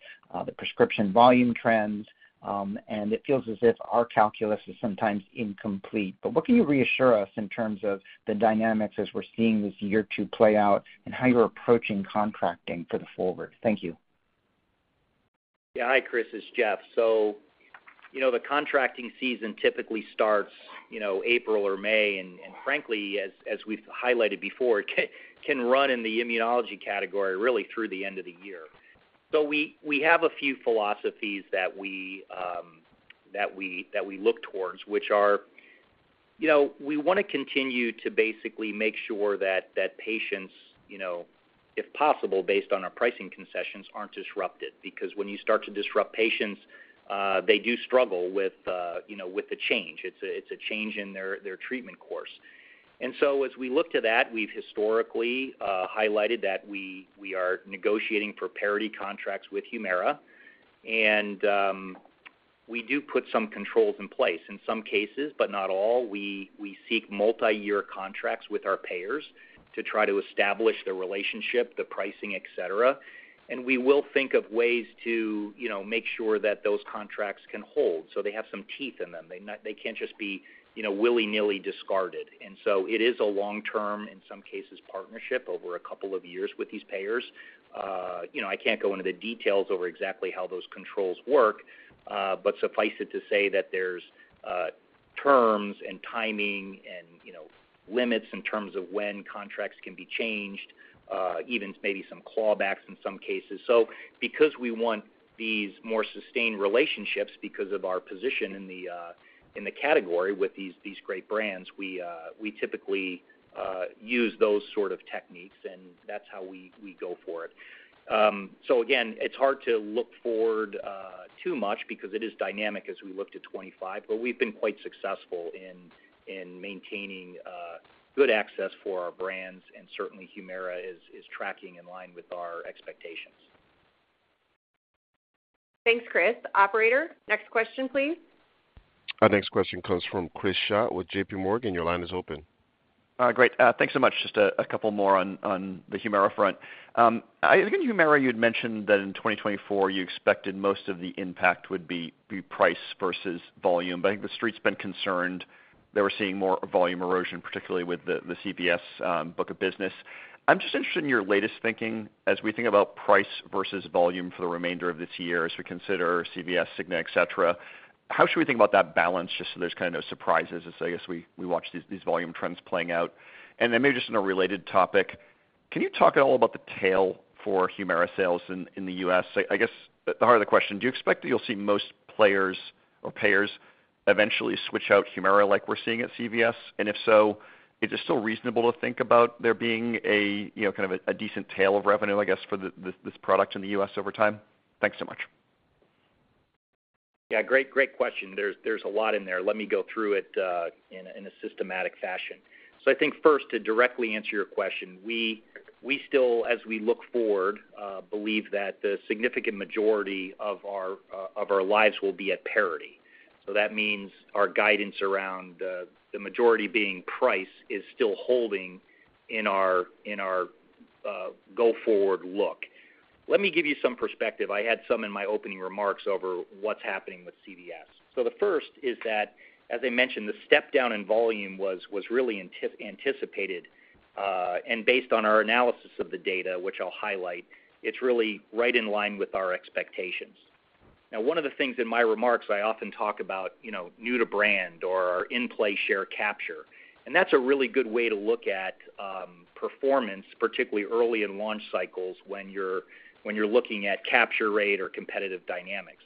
the prescription volume trends, and it feels as if our calculus is sometimes incomplete. But what can you reassure us in terms of the dynamics as we're seeing this year two play out and how you're approaching contracting for the forward? Thank you. Yeah. Hi, Chris, it's Jeff. So, you know, the contracting season typically starts, you know, April or May, and frankly, as we've highlighted before, it can run in the immunology category, really through the end of the year. So we have a few philosophies that we look towards, which are, you know, we want to continue to basically make sure that patients, you know, if possible, based on our pricing concessions, aren't disrupted. Because when you start to disrupt patients, they do struggle with, you know, with the change. It's a change in their treatment course. And so as we look to that, we've historically highlighted that we are negotiating for parity contracts with Humira, and we do put some controls in place. In some cases, but not all, we seek multiyear contracts with our payers to try to establish the relationship, the pricing, et cetera. And we will think of ways to, you know, make sure that those contracts can hold, so they have some teeth in them. They can't just be, you know, willy-nilly discarded. And so it is a long-term, in some cases, partnership over a couple of years with these payers. You know, I can't go into the details over exactly how those controls work, but suffice it to say that there's terms and timing and, you know, limits in terms of when contracts can be changed, even maybe some clawbacks in some cases. So because we want these more sustained relationships because of our position in the, in the category with these, these great brands, we, we typically use those sort of techniques, and that's how we, we go for it. So again, it's hard to look forward too much because it is dynamic as we look to 2025, but we've been quite successful in maintaining good access for our brands, and certainly HUMIRA is tracking in line with our expectations. Thanks, Chris. Operator, next question, please. Our next question comes from Chris Schott with JPMorgan. Your line is open. Great. Thanks so much. Just a couple more on the Humira front. I think in Humira, you'd mentioned that in 2024, you expected most of the impact would be price versus volume. But I think the street's been concerned that we're seeing more volume erosion, particularly with the CVS book of business. I'm just interested in your latest thinking as we think about price versus volume for the remainder of this year as we consider CVS, Cigna, et cetera. How should we think about that balance just so there's kind of no surprises as we watch these volume trends playing out? And then maybe just in a related topic, can you talk at all about the tail for Humira sales in the US? I guess, the heart of the question, do you expect that you'll see most players or payers eventually switch out HUMIRA like we're seeing at CVS? And if so, is it still reasonable to think about there being a, you know, kind of a decent tail of revenue, I guess, for the, this product in the U.S. over time? Thanks so much. Yeah, great, great question. There's, there's a lot in there. Let me go through it in a, in a systematic fashion. So I think first, to directly answer your question, we, we still, as we look forward, believe that the significant majority of our, of our lines will be at parity. So that means our guidance around, the majority being priced is still holding in our, in our, go-forward look. Let me give you some perspective. I had some in my opening remarks over what's happening with CVS. So the first is that, as I mentioned, the step down in volume was, was really anticipated, and based on our analysis of the data, which I'll highlight, it's really right in line with our expectations. Now, one of the things in my remarks, I often talk about, you know, new to brand or in-play share capture, and that's a really good way to look at performance, particularly early in launch cycles when you're, when you're looking at capture rate or competitive dynamics.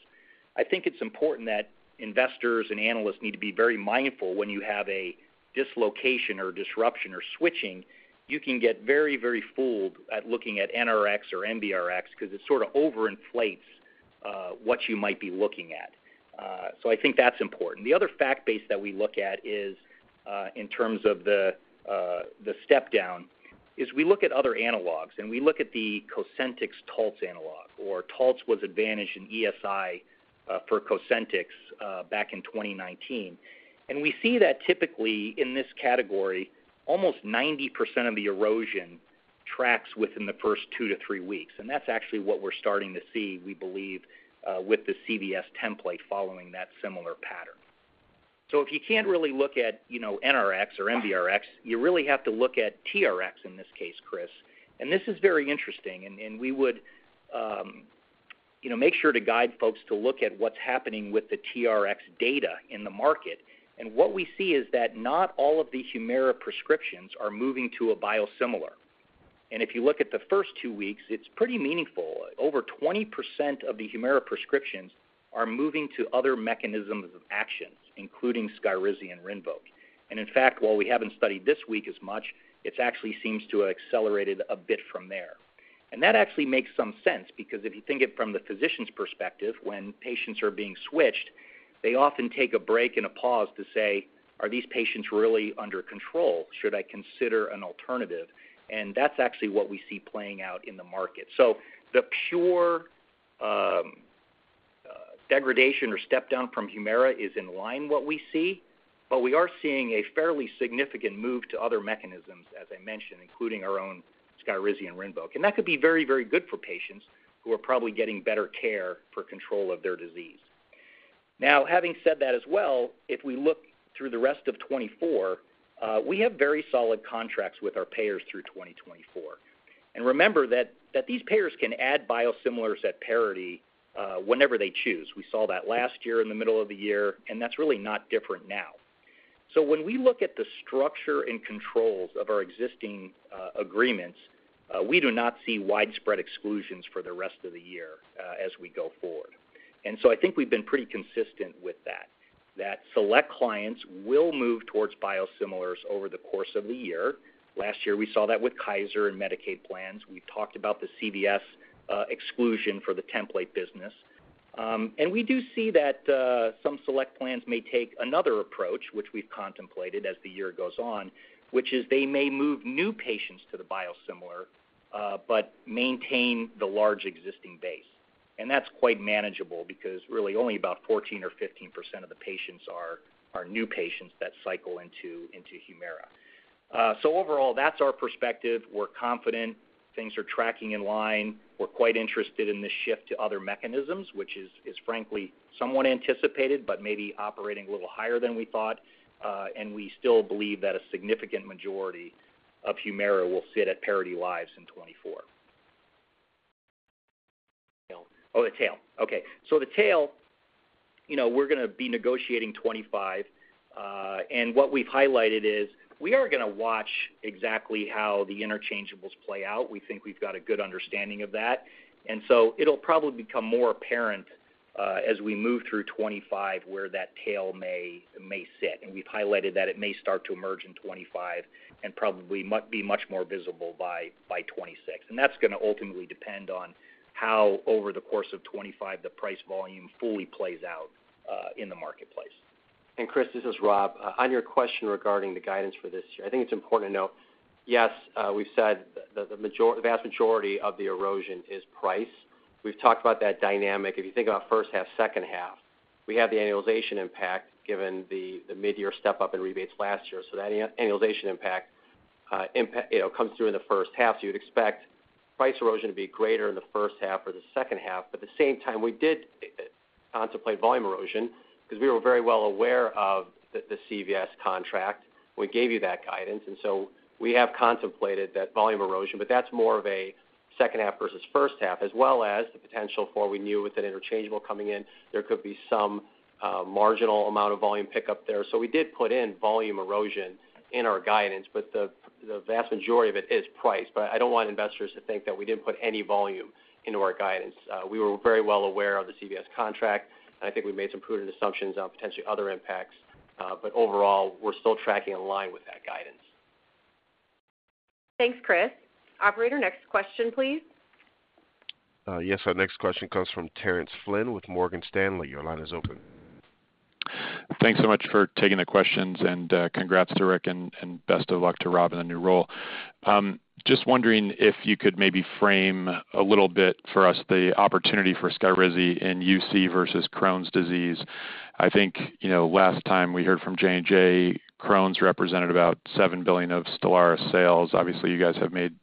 I think it's important that investors and analysts need to be very mindful when you have a dislocation or disruption or switching, you can get very, very fooled at looking at NRX or MBRX because it sort of overinflates what you might be looking at. So I think that's important. The other fact base that we look at is, in terms of the step down, is we look at other analogs, and we look at the COSENTYX, TALTZ analog, or TALTZ was advantaged in ESI for COSENTYX back in 2019. We see that typically in this category, almost 90% of the erosion tracks within the first two to three weeks, and that's actually what we're starting to see, we believe, with the CVS template following that similar pattern. If you can't really look at, you know, NRX or MBRX, you really have to look at TRX in this case, Chris. This is very interesting, and we would, you know, make sure to guide folks to look at what's happening with the TRX data in the market. What we see is that not all of the HUMIRA prescriptions are moving to a biosimilar. If you look at the first 2 weeks, it's pretty meaningful. Over 20% of the HUMIRA prescriptions are moving to other mechanisms of actions, including SKYRIZI and RINVOQ. In fact, while we haven't studied this week as much, it actually seems to have accelerated a bit from there. And that actually makes some sense because if you think it from the physician's perspective, when patients are being switched, they often take a break and a pause to say: Are these patients really under control? Should I consider an alternative? And that's actually what we see playing out in the market. So the pure degradation or step down from HUMIRA is in line what we see, but we are seeing a fairly significant move to other mechanisms, as I mentioned, including our own SKYRIZI and RINVOQ. And that could be very, very good for patients who are probably getting better care for control of their disease. Now, having said that as well, if we look through the rest of 2024, we have very solid contracts with our payers through 2024. And remember that, that these payers can add biosimilars at parity, whenever they choose. We saw that last year in the middle of the year, and that's really not different now. So when we look at the structure and controls of our existing, agreements, we do not see widespread exclusions for the rest of the year, as we go forward. And so I think we've been pretty consistent with that, that select clients will move towards biosimilars over the course of the year. Last year, we saw that with Kaiser and Medicaid plans. We talked about the CVS, exclusion for the template business. And we do see that some select plans may take another approach, which we've contemplated as the year goes on, which is they may move new patients to the biosimilar, but maintain the large existing base. And that's quite manageable because really only about 14% or 15% of the patients are new patients that cycle into HUMIRA. So overall, that's our perspective. We're confident things are tracking in line. We're quite interested in this shift to other mechanisms, which is frankly somewhat anticipated, but maybe operating a little higher than we thought, and we still believe that a significant majority of HUMIRA will sit at parity lives in 2024. Tail. Oh, the tail. Okay. So the tail, you know, we're going to be negotiating 2025, and what we've highlighted is we are going to watch exactly how the interchangeables play out. We think we've got a good understanding of that. And so it'll probably become more apparent as we move through 2025 where that tail may sit. And we've highlighted that it may start to emerge in 2025 and probably be much more visible by 2026. And that's going to ultimately depend on how over the course of 2025, the price volume fully plays out in the marketplace. Chris, this is Rob. On your question regarding the guidance for this year, I think it's important to note, yes, we've said the vast majority of the erosion is price. We've talked about that dynamic. If you think about first half, second half, we have the annualization impact given the mid-year step-up in rebates last year. So that annualization impact, you know, comes through in the first half. So you'd expect price erosion to be greater in the first half or the second half, but at the same time, we did contemplate volume erosion because we were very well aware of the CVS contract. We gave you that guidance, and so we have contemplated that volume erosion, but that's more of a second half versus first half, as well as the potential for we knew with an interchangeable coming in, there could be some marginal amount of volume pickup there. So we did put in volume erosion in our guidance, but the vast majority of it is price. But I don't want investors to think that we didn't put any volume into our guidance. We were very well aware of the CVS contract, and I think we made some prudent assumptions on potentially other impacts. But overall, we're still tracking in line with that guidance. Thanks, Chris. Operator, next question, please. Yes, our next question comes from Terence Flynn with Morgan Stanley. Your line is open. Thanks so much for taking the questions, and congrats to Rick, and best of luck to Rob in the new role. Just wondering if you could maybe frame a little bit for us the opportunity for SKYRIZI in UC versus Crohn's disease. I think, you know, last time we heard from J&J, Crohn's represented about $7 billion of STELARA sales. Obviously, you guys have made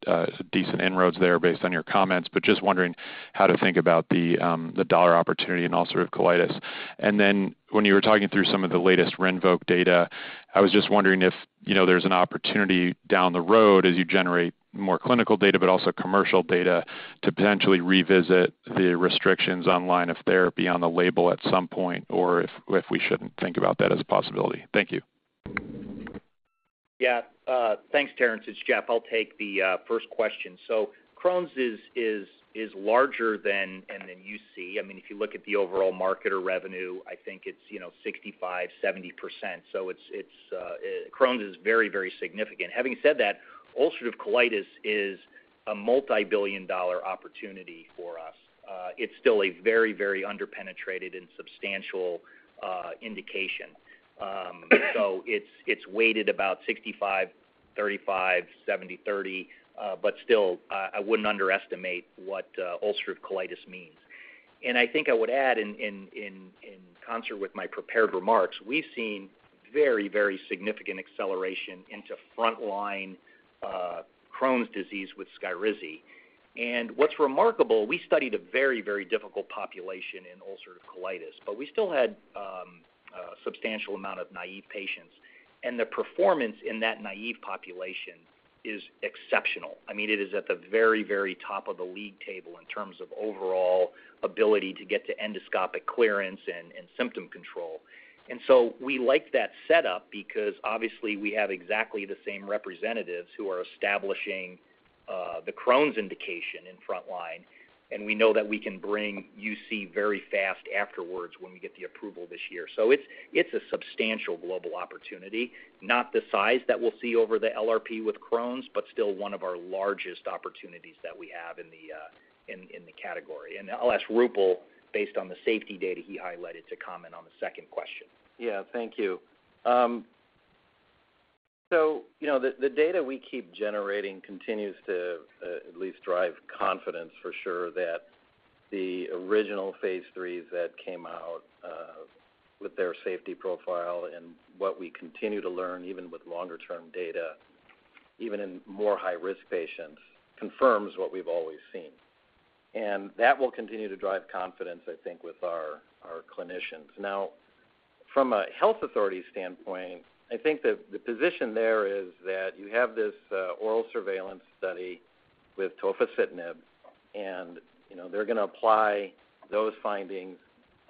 decent inroads there based on your comments, but just wondering how to think about the dollar opportunity in ulcerative colitis. And then when you were talking through some of the latest RINVOQ data, I was just wondering if, you know, there's an opportunity down the road as you generate more clinical data, but also commercial data, to potentially revisit the restrictions on line of therapy on the label at some point, or if, if we shouldn't think about that as a possibility? Thank you. Yeah. Thanks, Terence. It's Jeff. I'll take the first question. So Crohn's is larger than UC. I mean, if you look at the overall market or revenue, I think it's, you know, 65%-70%. So it's Crohn's is very, very significant. Having said that, ulcerative colitis is a multibillion-dollar opportunity for us. It's still a very, very underpenetrated and substantial indication. So it's weighted about 65-35, 70-30, but still, I wouldn't underestimate what ulcerative colitis means. And I think I would add, in concert with my prepared remarks, we've seen very, very significant acceleration into frontline Crohn's disease with SKYRIZI. What's remarkable, we studied a very, very difficult population in ulcerative colitis, but we still had a substantial amount of naive patients, and the performance in that naive population is exceptional. I mean, it is at the very, very top of the league table in terms of overall ability to get to endoscopic clearance and, and symptom control. So we like that setup because, obviously, we have exactly the same representatives who are establishing the Crohn's indication in frontline, and we know that we can bring UC very fast afterwards when we get the approval this year. So it's a substantial global opportunity, not the size that we'll see over the LRP with Crohn's, but still one of our largest opportunities that we have in the in the category. I'll ask Roopal, based on the safety data he highlighted, to comment on the second question. Yeah, thank you. So you know, the data we keep generating continues to at least drive confidence for sure that the original Phase III that came out with their safety profile and what we continue to learn, even with longer-term data, even in more high-risk patients, confirms what we've always seen. And that will continue to drive confidence, I think, with our clinicians. Now, from a health authority standpoint, I think the position there is that you have this oral surveillance study with tofacitinib, and you know, they're gonna apply those findings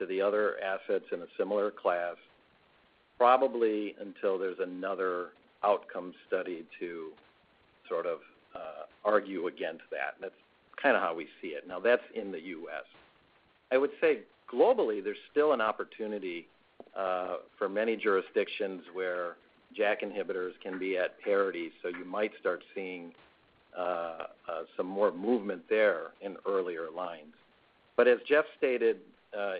to the other assets in a similar class, probably until there's another outcome study to sort of argue against that. And that's kind of how we see it. Now, that's in the U.S. I would say globally, there's still an opportunity for many jurisdictions where JAK inhibitors can be at parity, so you might start seeing some more movement there in earlier lines. But as Jeff stated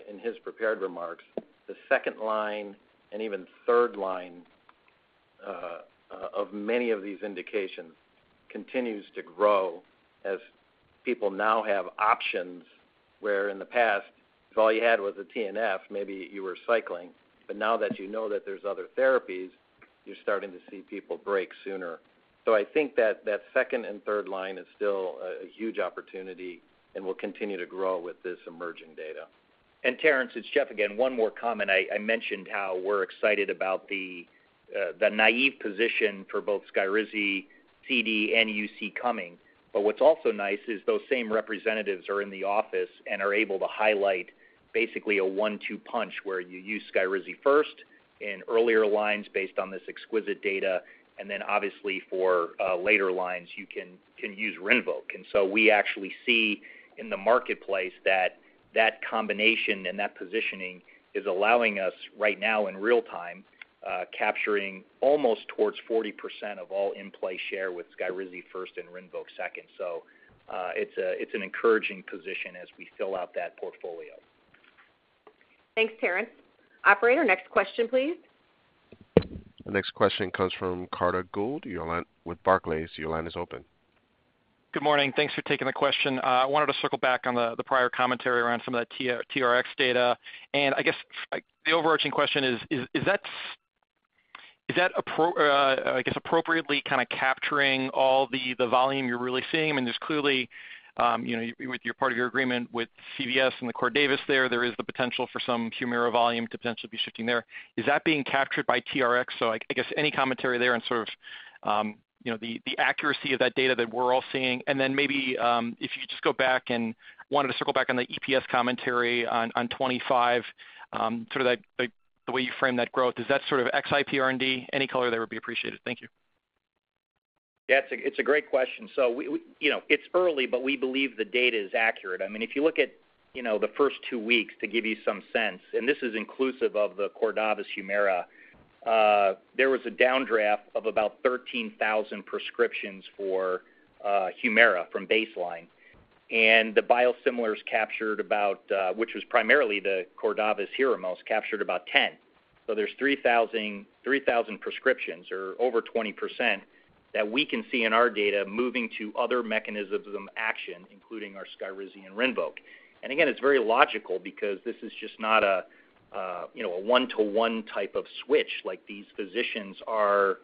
in his prepared remarks, the second line and even third line of many of these indications continues to grow as people now have options, where in the past, if all you had was a TNF, maybe you were cycling. But now that you know that there's other therapies, you're starting to see people break sooner. So I think that the second and third line is still a huge opportunity and will continue to grow with this emerging data. And Terence, it's Jeff again. One more comment. I mentioned how we're excited about the naive position for both SKYRIZI, CD, and UC coming. But what's also nice is those same representatives are in the office and are able to highlight basically a one-two punch where you use SKYRIZI first in earlier lines based on this exquisite data, and then obviously for later lines, you can use RINVOQ. And so we actually see in the marketplace that that combination and that positioning is allowing us right now in real time capturing almost toward 40% of all in-play share with SKYRIZI first and RINVOQ second. So, it's a, it's an encouraging position as we fill out that portfolio. Thanks, Terence. Operator, next question, please. The next question comes from Carter Gould with Barclays. Your line is open. Good morning. Thanks for taking the question. I wanted to circle back on the prior commentary around some of that TRX data. And I guess, the overarching question is, is that appropriately kind of capturing all the volume you're really seeing? I mean, there's clearly, you know, with your part of your agreement with CVS and the Cordavis there, there is the potential for some Humira volume to potentially be shifting there. Is that being captured by TRX? So I guess any commentary there on sort of, you know, the accuracy of that data that we're all seeing. Then maybe, if you just go back and wanted to circle back on the EPS commentary on 25, sort of like the way you frame that growth, is that sort of ex IPR&D? Any color there would be appreciated. Thank you. Yeah, it's a great question. So we. You know, it's early, but we believe the data is accurate. I mean, if you look at, you know, the first two weeks to give you some sense, and this is inclusive of the Cordavis HUMIRA, there was a downdraft of about 13,000 prescriptions for HUMIRA from baseline, and the biosimilars captured about, which was primarily the Cordavis Hyrimoz, captured about 10. So there's 3,000 prescriptions or over 20% that we can see in our data moving to other mechanisms of action, including our SKYRIZI and RINVOQ. And again, it's very logical because this is just not a, you know, a one-to-one type of switch, like these physicians are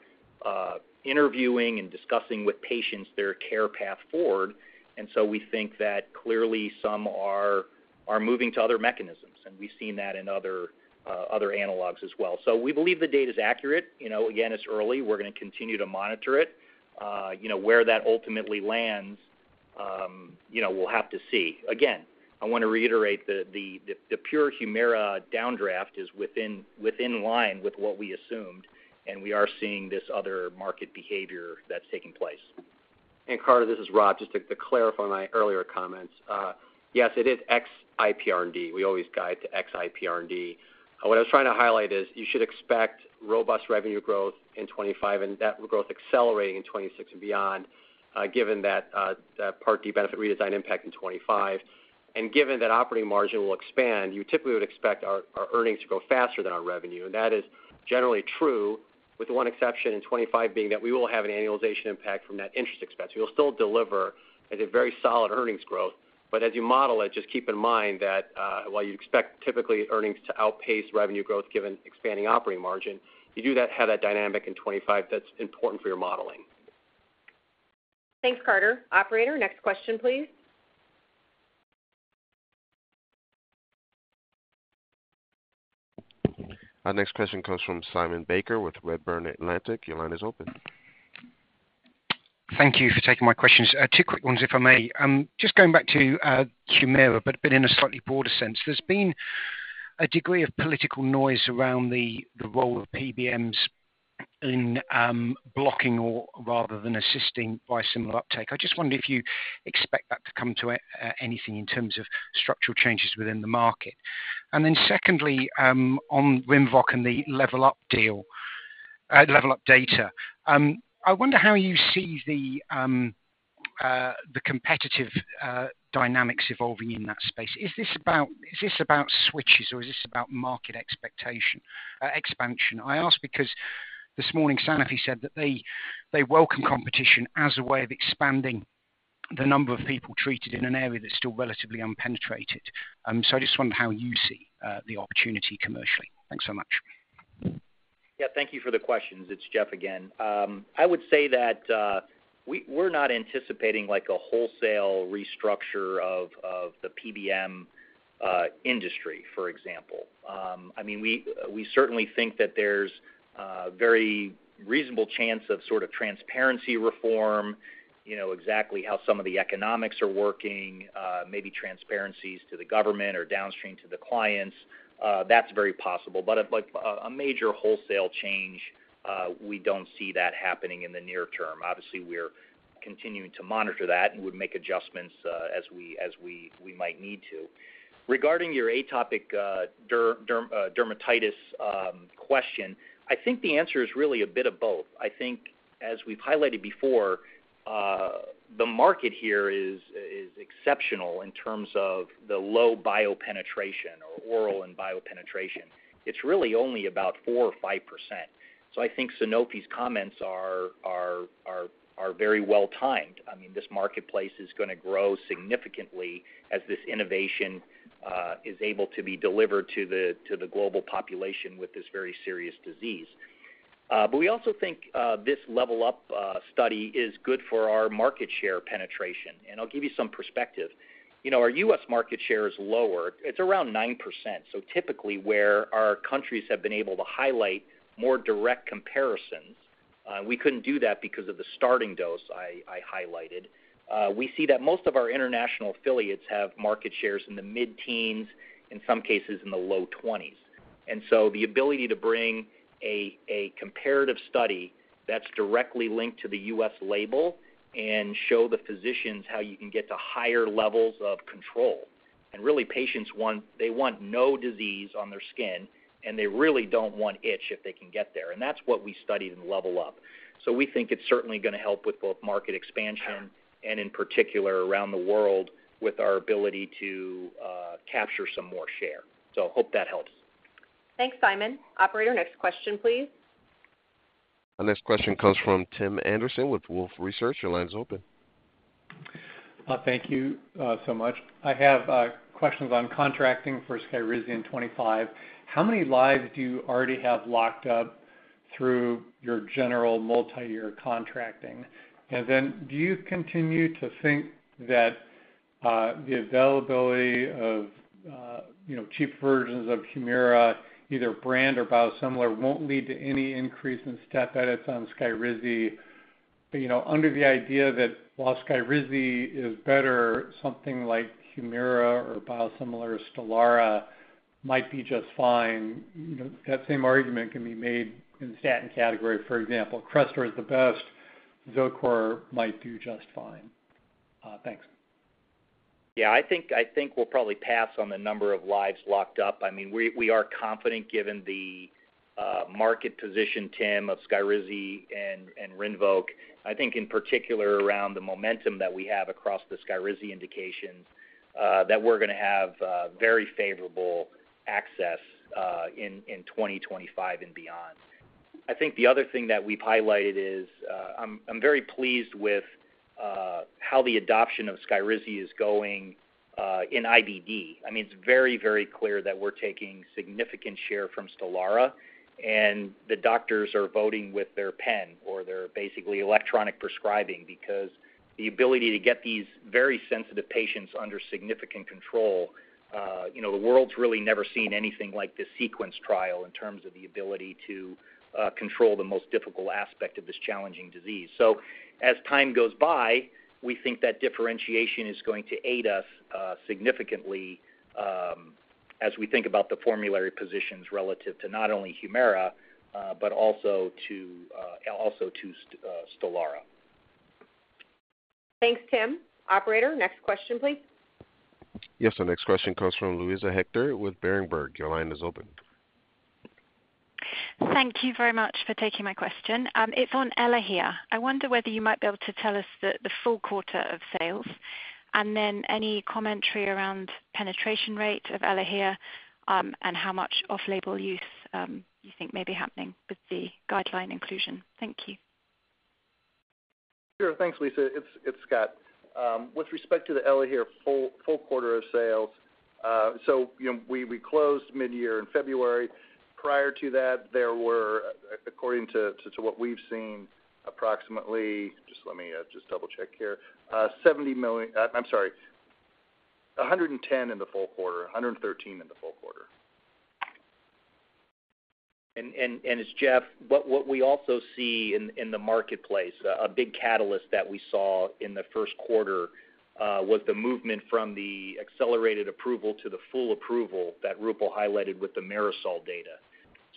interviewing and discussing with patients their care path forward. And so we think that clearly some are moving to other mechanisms, and we've seen that in other analogs as well. So we believe the data is accurate. You know, again, it's early. We're gonna continue to monitor it. You know, where that ultimately lands, you know, we'll have to see. Again, I wanna reiterate the pure HUMIRA downdraft is within line with what we assumed, and we are seeing this other market behavior that's taking place. Carter, this is Rob. Just to clarify my earlier comments, yes, it is ex IPR&D. We always guide to ex IPR&D. What I was trying to highlight is you should expect robust revenue growth in 2025, and that growth accelerating in 2026 and beyond, given that Part D benefit redesign impact in 2025. And given that operating margin will expand, you typically would expect our earnings to grow faster than our revenue. And that is generally true, with one exception in 2025 being that we will have an annualization impact from that interest expense. We'll still deliver a very solid earnings growth, but as you model it, just keep in mind that, while you'd expect typically earnings to outpace revenue growth given expanding operating margin, you do have that dynamic in 2025. That's important for your modeling. Thanks, Carter. Operator, next question, please. Our next question comes from Simon Baker with Redburn Atlantic. Your line is open. Thank you for taking my questions. Two quick ones, if I may. Just going back to Humira, but in a slightly broader sense. There's been a degree of political noise around the role of PBMs in blocking or rather than assisting biosimilar uptake. I just wondered if you expect that to come to anything in terms of structural changes within the market. And then secondly, on RINVOQ and the Level Up deal, Level Up data, I wonder how you see the competitive dynamics evolving in that space. Is this about switches, or is this about market expansion? I ask because this morning, Sanofi said that they welcome competition as a way of expanding the number of people treated in an area that's still relatively unpenetrated. I just wondered how you see the opportunity commercially? Thanks so much. Yeah, thank you for the questions. It's Jeff again. I would say that, we're not anticipating like a wholesale restructure of, of the PBM, industry, for example. I mean, we certainly think that there's a very reasonable chance of sort of transparency reform, you know, exactly how some of the economics are working, maybe transparencies to the government or downstream to the clients. That's very possible. But, a major wholesale change, we don't see that happening in the near term. Obviously, we're continuing to monitor that and would make adjustments, as we might need to. Regarding your atopic dermatitis question, I think the answer is really a bit of both. I think, as we've highlighted before, the market here is exceptional in terms of the low biopenetration for oral and biopenetration. It's really only about 4 or 5%. So I think Sanofi's comments are very well-timed. I mean, this marketplace is gonna grow significantly as this innovation is able to be delivered to the global population with this very serious disease. But we also think this level up study is good for our market share penetration, and I'll give you some perspective. You know, our US market share is lower. It's around 9%. So typically, where our countries have been able to highlight more direct comparisons, we couldn't do that because of the starting dose I highlighted. We see that most of our international affiliates have market shares in the mid-teens, in some cases, in the low twenties. And so the ability to bring a comparative study that's directly linked to the US label and show the physicians how you can get to higher levels of control. And really, patients want—they want no disease on their skin, and they really don't want itch if they can get there, and that's what we studied in level up. So we think it's certainly gonna help with both market expansion and in particular, around the world, with our ability to capture some more share. So hope that helps. Thanks, Simon. Operator, next question, please. Our next question comes from Tim Anderson with Wolfe Research. Your line is open. Thank you so much. I have questions on contracting for SKYRIZI in 25. How many lives do you already have locked up through your general multi-year contracting? And then, do you continue to think that the availability of, you know, cheap versions of HUMIRA, either brand or biosimilar, won't lead to any increase in step edits on SKYRIZI? You know, under the idea that while SKYRIZI is better, something like HUMIRA or biosimilar STELARA might be just fine. You know, that same argument can be made in the statin category. For example, CRESTOR is the best, ZOCOR might do just fine. Thanks. Yeah, I think we'll probably pass on the number of lives locked up. I mean, we are confident, given the market position, Tim, of SKYRIZI and RINVOQ, I think in particular, around the momentum that we have across the SSKYRIZI KYRIZI indications, that we're gonna have very favorable access in 2025 and beyond. I think the other thing that we've highlighted is, I'm very pleased with how the adoption of SKYRIZI is going in IBD. I mean, it's very, very clear that we're taking significant share from STELARA, and the doctors are voting with their pen, or they're basically electronic prescribing because the ability to get these very sensitive patients under significant control, you know, the world's really never seen anything like this sequence trial in terms of the ability to control the most difficult aspect of this challenging disease. So as time goes by, we think that differentiation is going to aid us significantly, as we think about the formulary positions relative to not only HUMIRA, but also to, also to STELARA. Thanks, Tim. Operator, next question, please. Yes, our next question comes from Luisa Hector with Berenberg. Your line is open. Thank you very much for taking my question. It's on ELAHERE. I wonder whether you might be able to tell us the full quarter of sales, and then any commentary around penetration rate of ELAHERE, and how much off-label use you think may be happening with the guideline inclusion? Thank you. Sure. Thanks, Liz. It's Scott. With respect to the ELAHERE full quarter of sales, so, you know, we closed mid-year in February. Prior to that, there were, according to what we've seen, approximately. Just let me just double-check here. $70 million. I'm sorry, $110 million in the full quarter, $113 million in the full quarter. As Jeff, what we also see in the marketplace is a big catalyst that we saw in the first quarter, which was the movement from the accelerated approval to the full approval that Roopal highlighted with the MIRASOL data.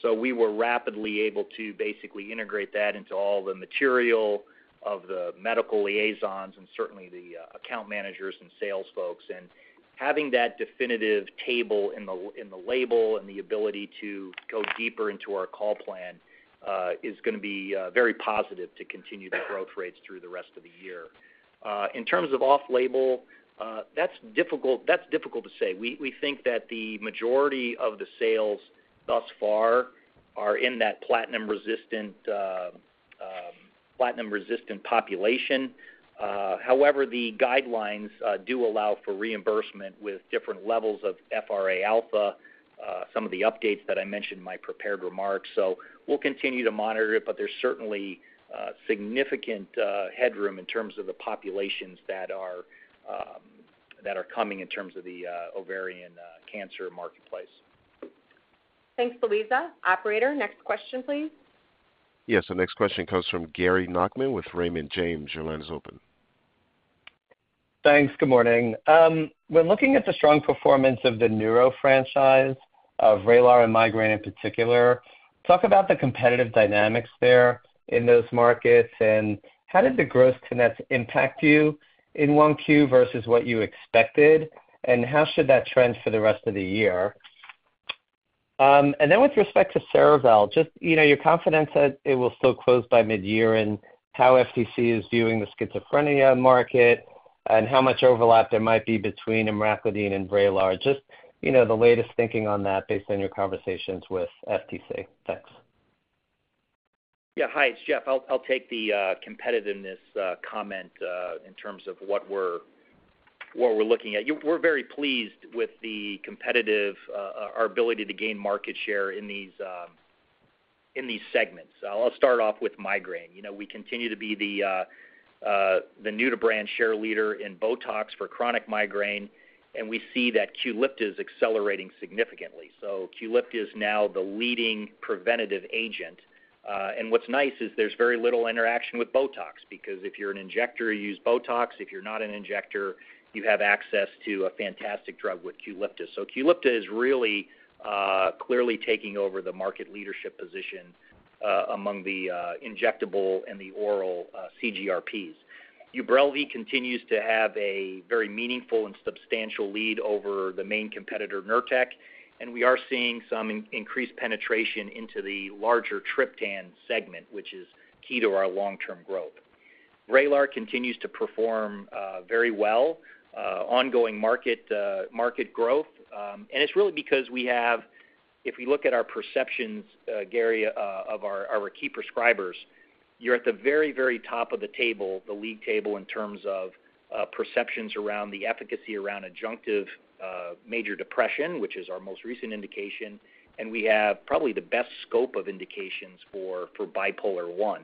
So we were rapidly able to basically integrate that into all the material of the medical liaisons and certainly the account managers and sales folks. And having that definitive table in the label and the ability to go deeper into our call plan is gonna be very positive to continue the growth rates through the rest of the year. In terms of off-label, that's difficult to say. We think that the majority of the sales thus far are in that platinum-resistant population. However, the guidelines do allow for reimbursement with different levels of FR alpha, some of the updates that I mentioned in my prepared remarks. So we'll continue to monitor it, but there's certainly significant headroom in terms of the populations that are coming in terms of the ovarian cancer marketplace. Thanks, Luisa. Operator, next question, please. Yes, the next question comes from Gary Nachman with Raymond James. Your line is open. Thanks. Good morning. When looking at the strong performance of the neuro franchise of VRAYLAR and migraine in particular, talk about the competitive dynamics there in those markets, and how did the gross-to-nets impact you in 1Q versus what you expected? And how should that trend for the rest of the year? And then with respect to Cerevel, just, you know, your confidence that it will still close by midyear and how FTC is viewing the schizophrenia market and how much overlap there might be between Emraclidine and VRAYLAR. Just, you know, the latest thinking on that based on your conversations with FTC. Thanks. Yeah. Hi, it's Jeff. I'll take the competitiveness comment in terms of what we're looking at. We're very pleased with the competitive our ability to gain market share in these segments. I'll start off with migraine. You know, we continue to be the new to brand share leader in BOTOX for chronic migraine, and we see that QULIPTA is accelerating significantly. So QULIPTA is now the leading preventative agent. And what's nice is there's very little interaction with BOTOX because if you're an injector, you use BOTOX. If you're not an injector, you have access to a fantastic drug with QULIPTA. So QULIPTA is really clearly taking over the market leadership position among the injectable and the oral CGRPs. UBRELVY continues to have a very meaningful and substantial lead over the main competitor, Nurtec, and we are seeing some increased penetration into the larger triptan segment, which is key to our long-term growth. VRAYLAR continues to perform very well, ongoing market growth. And it's really because we have. If we look at our perceptions, Gary, of our key prescribers, you're at the very, very top of the table, the league table in terms of perceptions around the efficacy around adjunctive major depression, which is our most recent indication, and we have probably the best scope of indications for bipolar one.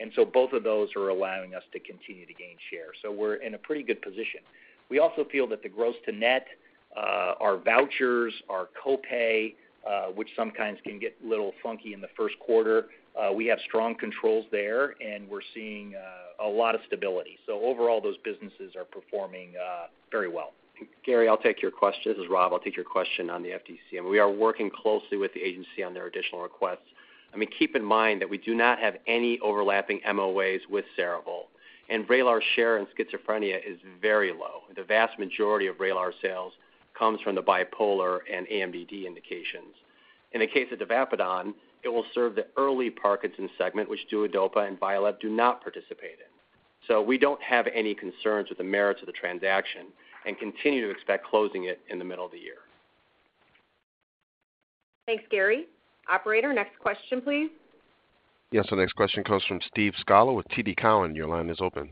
And so both of those are allowing us to continue to gain share. So we're in a pretty good position. We also feel that the gross to net, our vouchers, our co-pay, which sometimes can get a little funky in the first quarter, we have strong controls there, and we're seeing a lot of stability. So overall, those businesses are performing very well. Gary, I'll take your question. This is Rob. I'll take your question on the FTC, and we are working closely with the agency on their additional requests. I mean, keep in mind that we do not have any overlapping MOAs with Cerevel, and VRAYLAR's share in schizophrenia is very low. The vast majority of VRAYLAR sales comes from the bipolar and MDD indications. In the case of tavapadon, it will serve the early Parkinson's segment, which DUODOPA and VYALEV do not participate in. So we don't have any concerns with the merits of the transaction and continue to expect closing it in the middle of the year. Thanks, Gary. Operator, next question, please. Yes, the next question comes from Steve Scala with TD Cowen. Your line is open.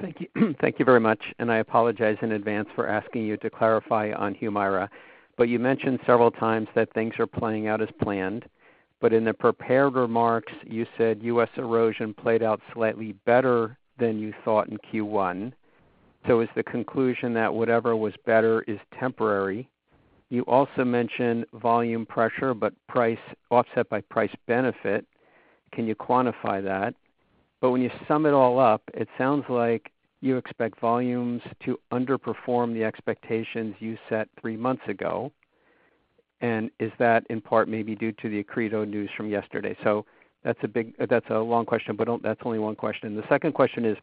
Thank you. Thank you very much, and I apologize in advance for asking you to clarify on HUMIRA. But you mentioned several times that things are playing out as planned, but in the prepared remarks, you said U.S. erosion played out slightly better than you thought in Q1. So is the conclusion that whatever was better is temporary? You also mentioned volume pressure, but price offset by price benefit. Can you quantify that? But when you sum it all up, it sounds like you expect volumes to underperform the expectations you set three months ago. And is that in part maybe due to the Accredo news from yesterday? So that's a long question, but that's only one question. The second question is,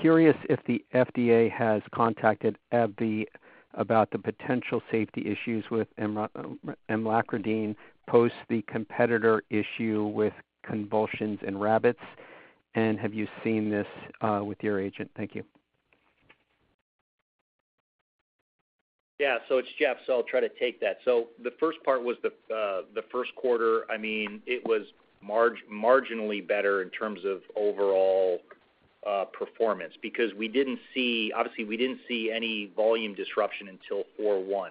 curious if the FDA has contacted AbbVie about the potential safety issues with Emraclidine post the competitor issue with convulsions in rabbits, and have you seen this with your agent? Thank you. Yeah, so it's Jeff, so I'll try to take that. So the first part was the first quarter. I mean, it was marginally better in terms of overall performance because we didn't see, obviously, we didn't see any volume disruption until Q1.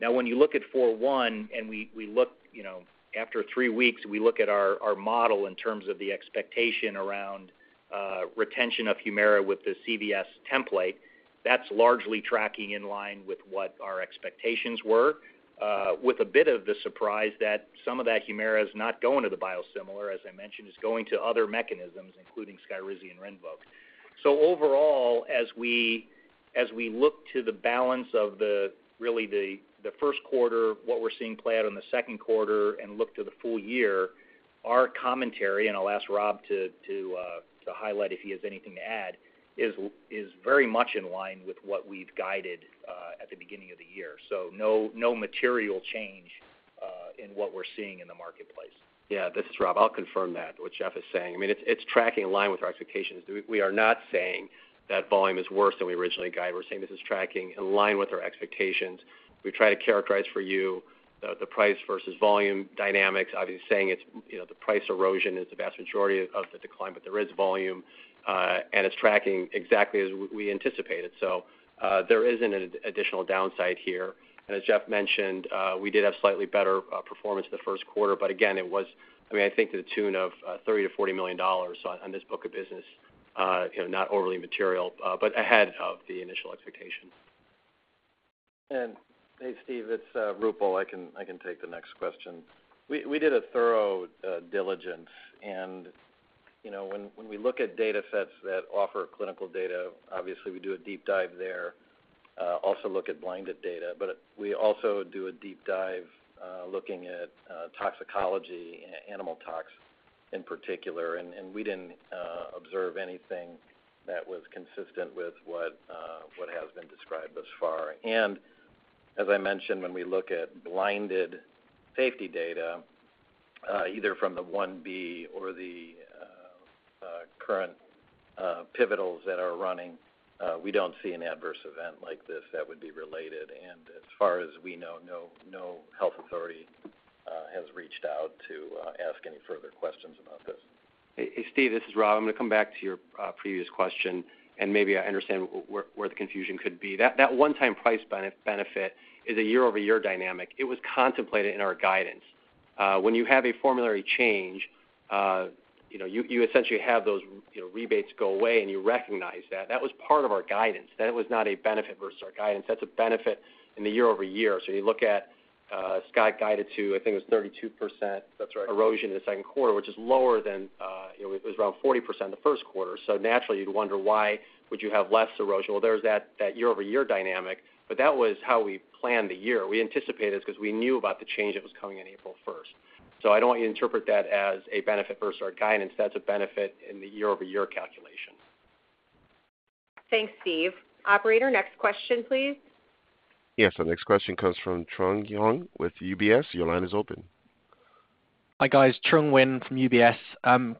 Now, when you look at Q1, and we look, you know, after three weeks, we look at our model in terms of the expectation around retention of Humira with the CVS template, that's largely tracking in line with what our expectations were, with a bit of the surprise that some of that Humira is not going to the biosimilar, as I mentioned, is going to other mechanisms, including SKYRIZI and RINVOQ. So overall, as we look to the balance of the really the first quarter, what we're seeing play out in the second quarter and look to the full year, our commentary, and I'll ask Rob to highlight if he has anything to add, is very much in line with what we've guided at the beginning of the year. So no, no material change in what we're seeing in the marketplace. Yeah, this is Rob. I'll confirm that, what Jeff is saying. I mean, it's, it's tracking in line with our expectations. We, we are not saying that volume is worse than we originally guided. We're saying this is tracking in line with our expectations. We try to characterize for you, the price versus volume dynamics. Obviously saying it's, you know, the price erosion is the vast majority of, of the decline, but there is volume, and it's tracking exactly as we anticipated. So, there isn't an additional downside here. And as Jeff mentioned, we did have slightly better performance in the first quarter, but again, it was, I mean, I think to the tune of $30 million-$40 million on, on this book of business. You know, not overly material, but ahead of the initial expectation. Hey, Steve, it's Roopal. I can take the next question. We did a thorough diligence, and you know, when we look at data sets that offer clinical data, obviously we do a deep dive there, also look at blinded data. But we also do a deep dive looking at toxicology, animal tox in particular, and we didn't observe anything that was consistent with what has been described thus far. And as I mentioned, when we look at blinded safety data, either from the 1b or the current pivotals that are running, we don't see an adverse event like this that would be related. And as far as we know, no health authority has reached out to ask any further questions about this. Hey, Steve, this is Rob. I'm gonna come back to your previous question, and maybe I understand where the confusion could be. That one-time price benefit is a year-over-year dynamic. It was contemplated in our guidance. When you have a formulary change, you know, you essentially have those rebates go away, and you recognize that. That was part of our guidance. That was not a benefit versus our guidance. That's a benefit in the year-over-year. So you look at Scott guided to, I think it was 32%. That's right. Erosion in the second quarter, which is lower than, you know, it was around 40% the first quarter. So naturally, you'd wonder why would you have less erosion? Well, there's that, that year-over-year dynamic, but that was how we planned the year. We anticipated this because we knew about the change that was coming in April 1st. So I don't want you to interpret that as a benefit versus our guidance. That's a benefit in the year-over-year calculation. Thanks, Steve. Operator, next question, please. Yes, the next question comes from Trung Huynh with UBS. Your line is open. Hi, guys, Trung Huynh from UBS.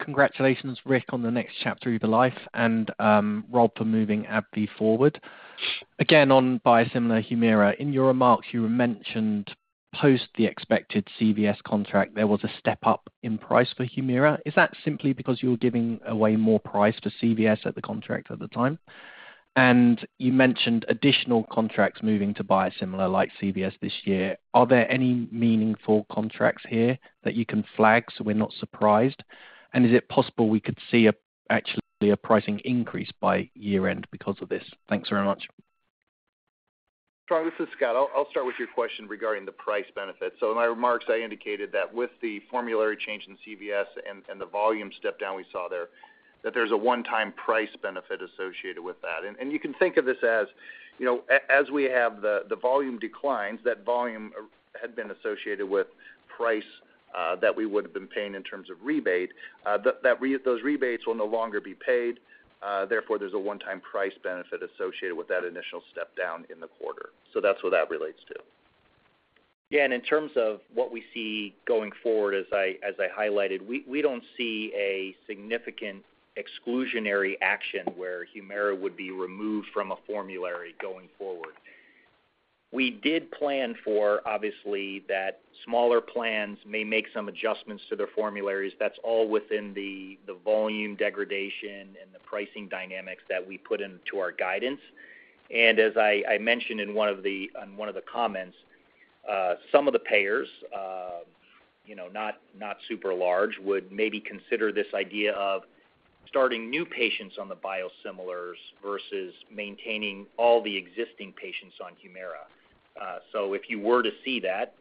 Congratulations, Rick, on the next chapter of your life and, Rob, for moving AbbVie forward. Again, on biosimilar Humira, in your remarks, you mentioned post the expected CVS contract, there was a step-up in price for Humira. Is that simply because you're giving away more price to CVS at the contract at the time? And you mentioned additional contracts moving to biosimilar like CVS this year. Are there any meaningful contracts here that you can flag so we're not surprised? And is it possible we could see a, actually a pricing increase by year-end because of this? Thanks very much. Trung, this is Scott. I'll start with your question regarding the price benefit. So in my remarks, I indicated that with the formulary change in CVS and the volume step down we saw there, that there's a one-time price benefit associated with that. And you can think of this as, you know, as we have the volume declines, that volume had been associated with price that we would have been paying in terms of rebate, that those rebates will no longer be paid, therefore, there's a one-time price benefit associated with that initial step down in the quarter. So that's what that relates to. Yeah, and in terms of what we see going forward, as I highlighted, we don't see a significant exclusionary action where HUMIRA would be removed from a formulary going forward. We did plan for, obviously, that smaller plans may make some adjustments to their formularies. That's all within the volume degradation and the pricing dynamics that we put into our guidance. And as I mentioned in one of the, on one of the comments, some of the payers, you know, not, not super large, would maybe consider this idea of starting new patients on the biosimilars versus maintaining all the existing patients on HUMIRA. So if you were to see that,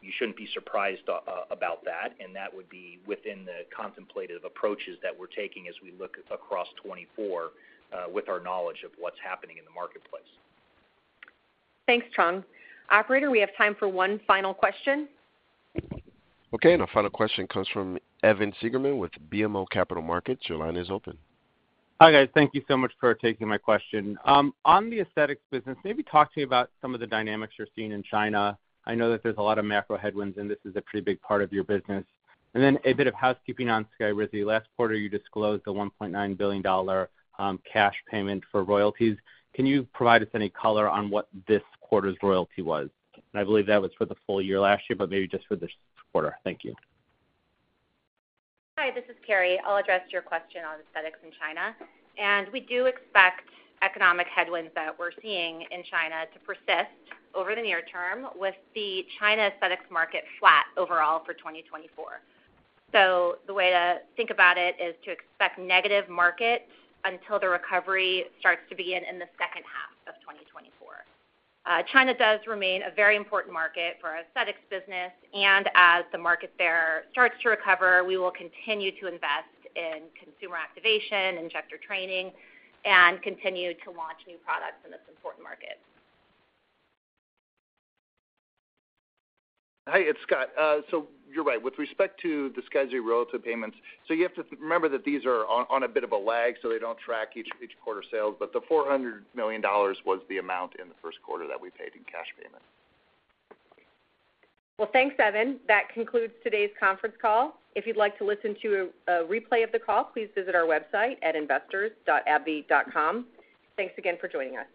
you shouldn't be surprised about that, and that would be within the contemplated approaches that we're taking as we look across 2024, with our knowledge of what's happening in the marketplace. Thanks, Trung. Operator, we have time for one final question. Okay, and our final question comes from Evan Seigerman with BMO Capital Markets. Your line is open. Hi, guys. Thank you so much for taking my question. On the aesthetics business, maybe talk to me about some of the dynamics you're seeing in China. I know that there's a lot of macro headwinds, and this is a pretty big part of your business. And then a bit of housekeeping on SKYRIZI. Last quarter, you disclosed a $1.9 billion cash payment for royalties. Can you provide us any color on what this quarter's royalty was? And I believe that was for the full year last year, but maybe just for this quarter. Thank you. Hi, this is Carrie. I'll address your question on aesthetics in China. We do expect economic headwinds that we're seeing in China to persist over the near term with the China aesthetics market flat overall for 2024. So the way to think about it is to expect negative markets until the recovery starts to begin in the second half of 2024. China does remain a very important market for our aesthetics business, and as the market there starts to recover, we will continue to invest in consumer activation, injector training, and continue to launch new products in this important market. Hi, it's Scott. So you're right. With respect to the SKYRIZI royalty payments, so you have to remember that these are on a bit of a lag, so they don't track each quarter sales, but the $400 million was the amount in the first quarter that we paid in cash payment. Well, thanks, Evan. That concludes today's conference call. If you'd like to listen to a replay of the call, please visit our website at investors.abbvie.com. Thanks again for joining us.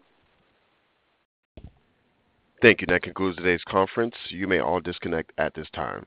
Thank you. That concludes today's conference. You may all disconnect at this time.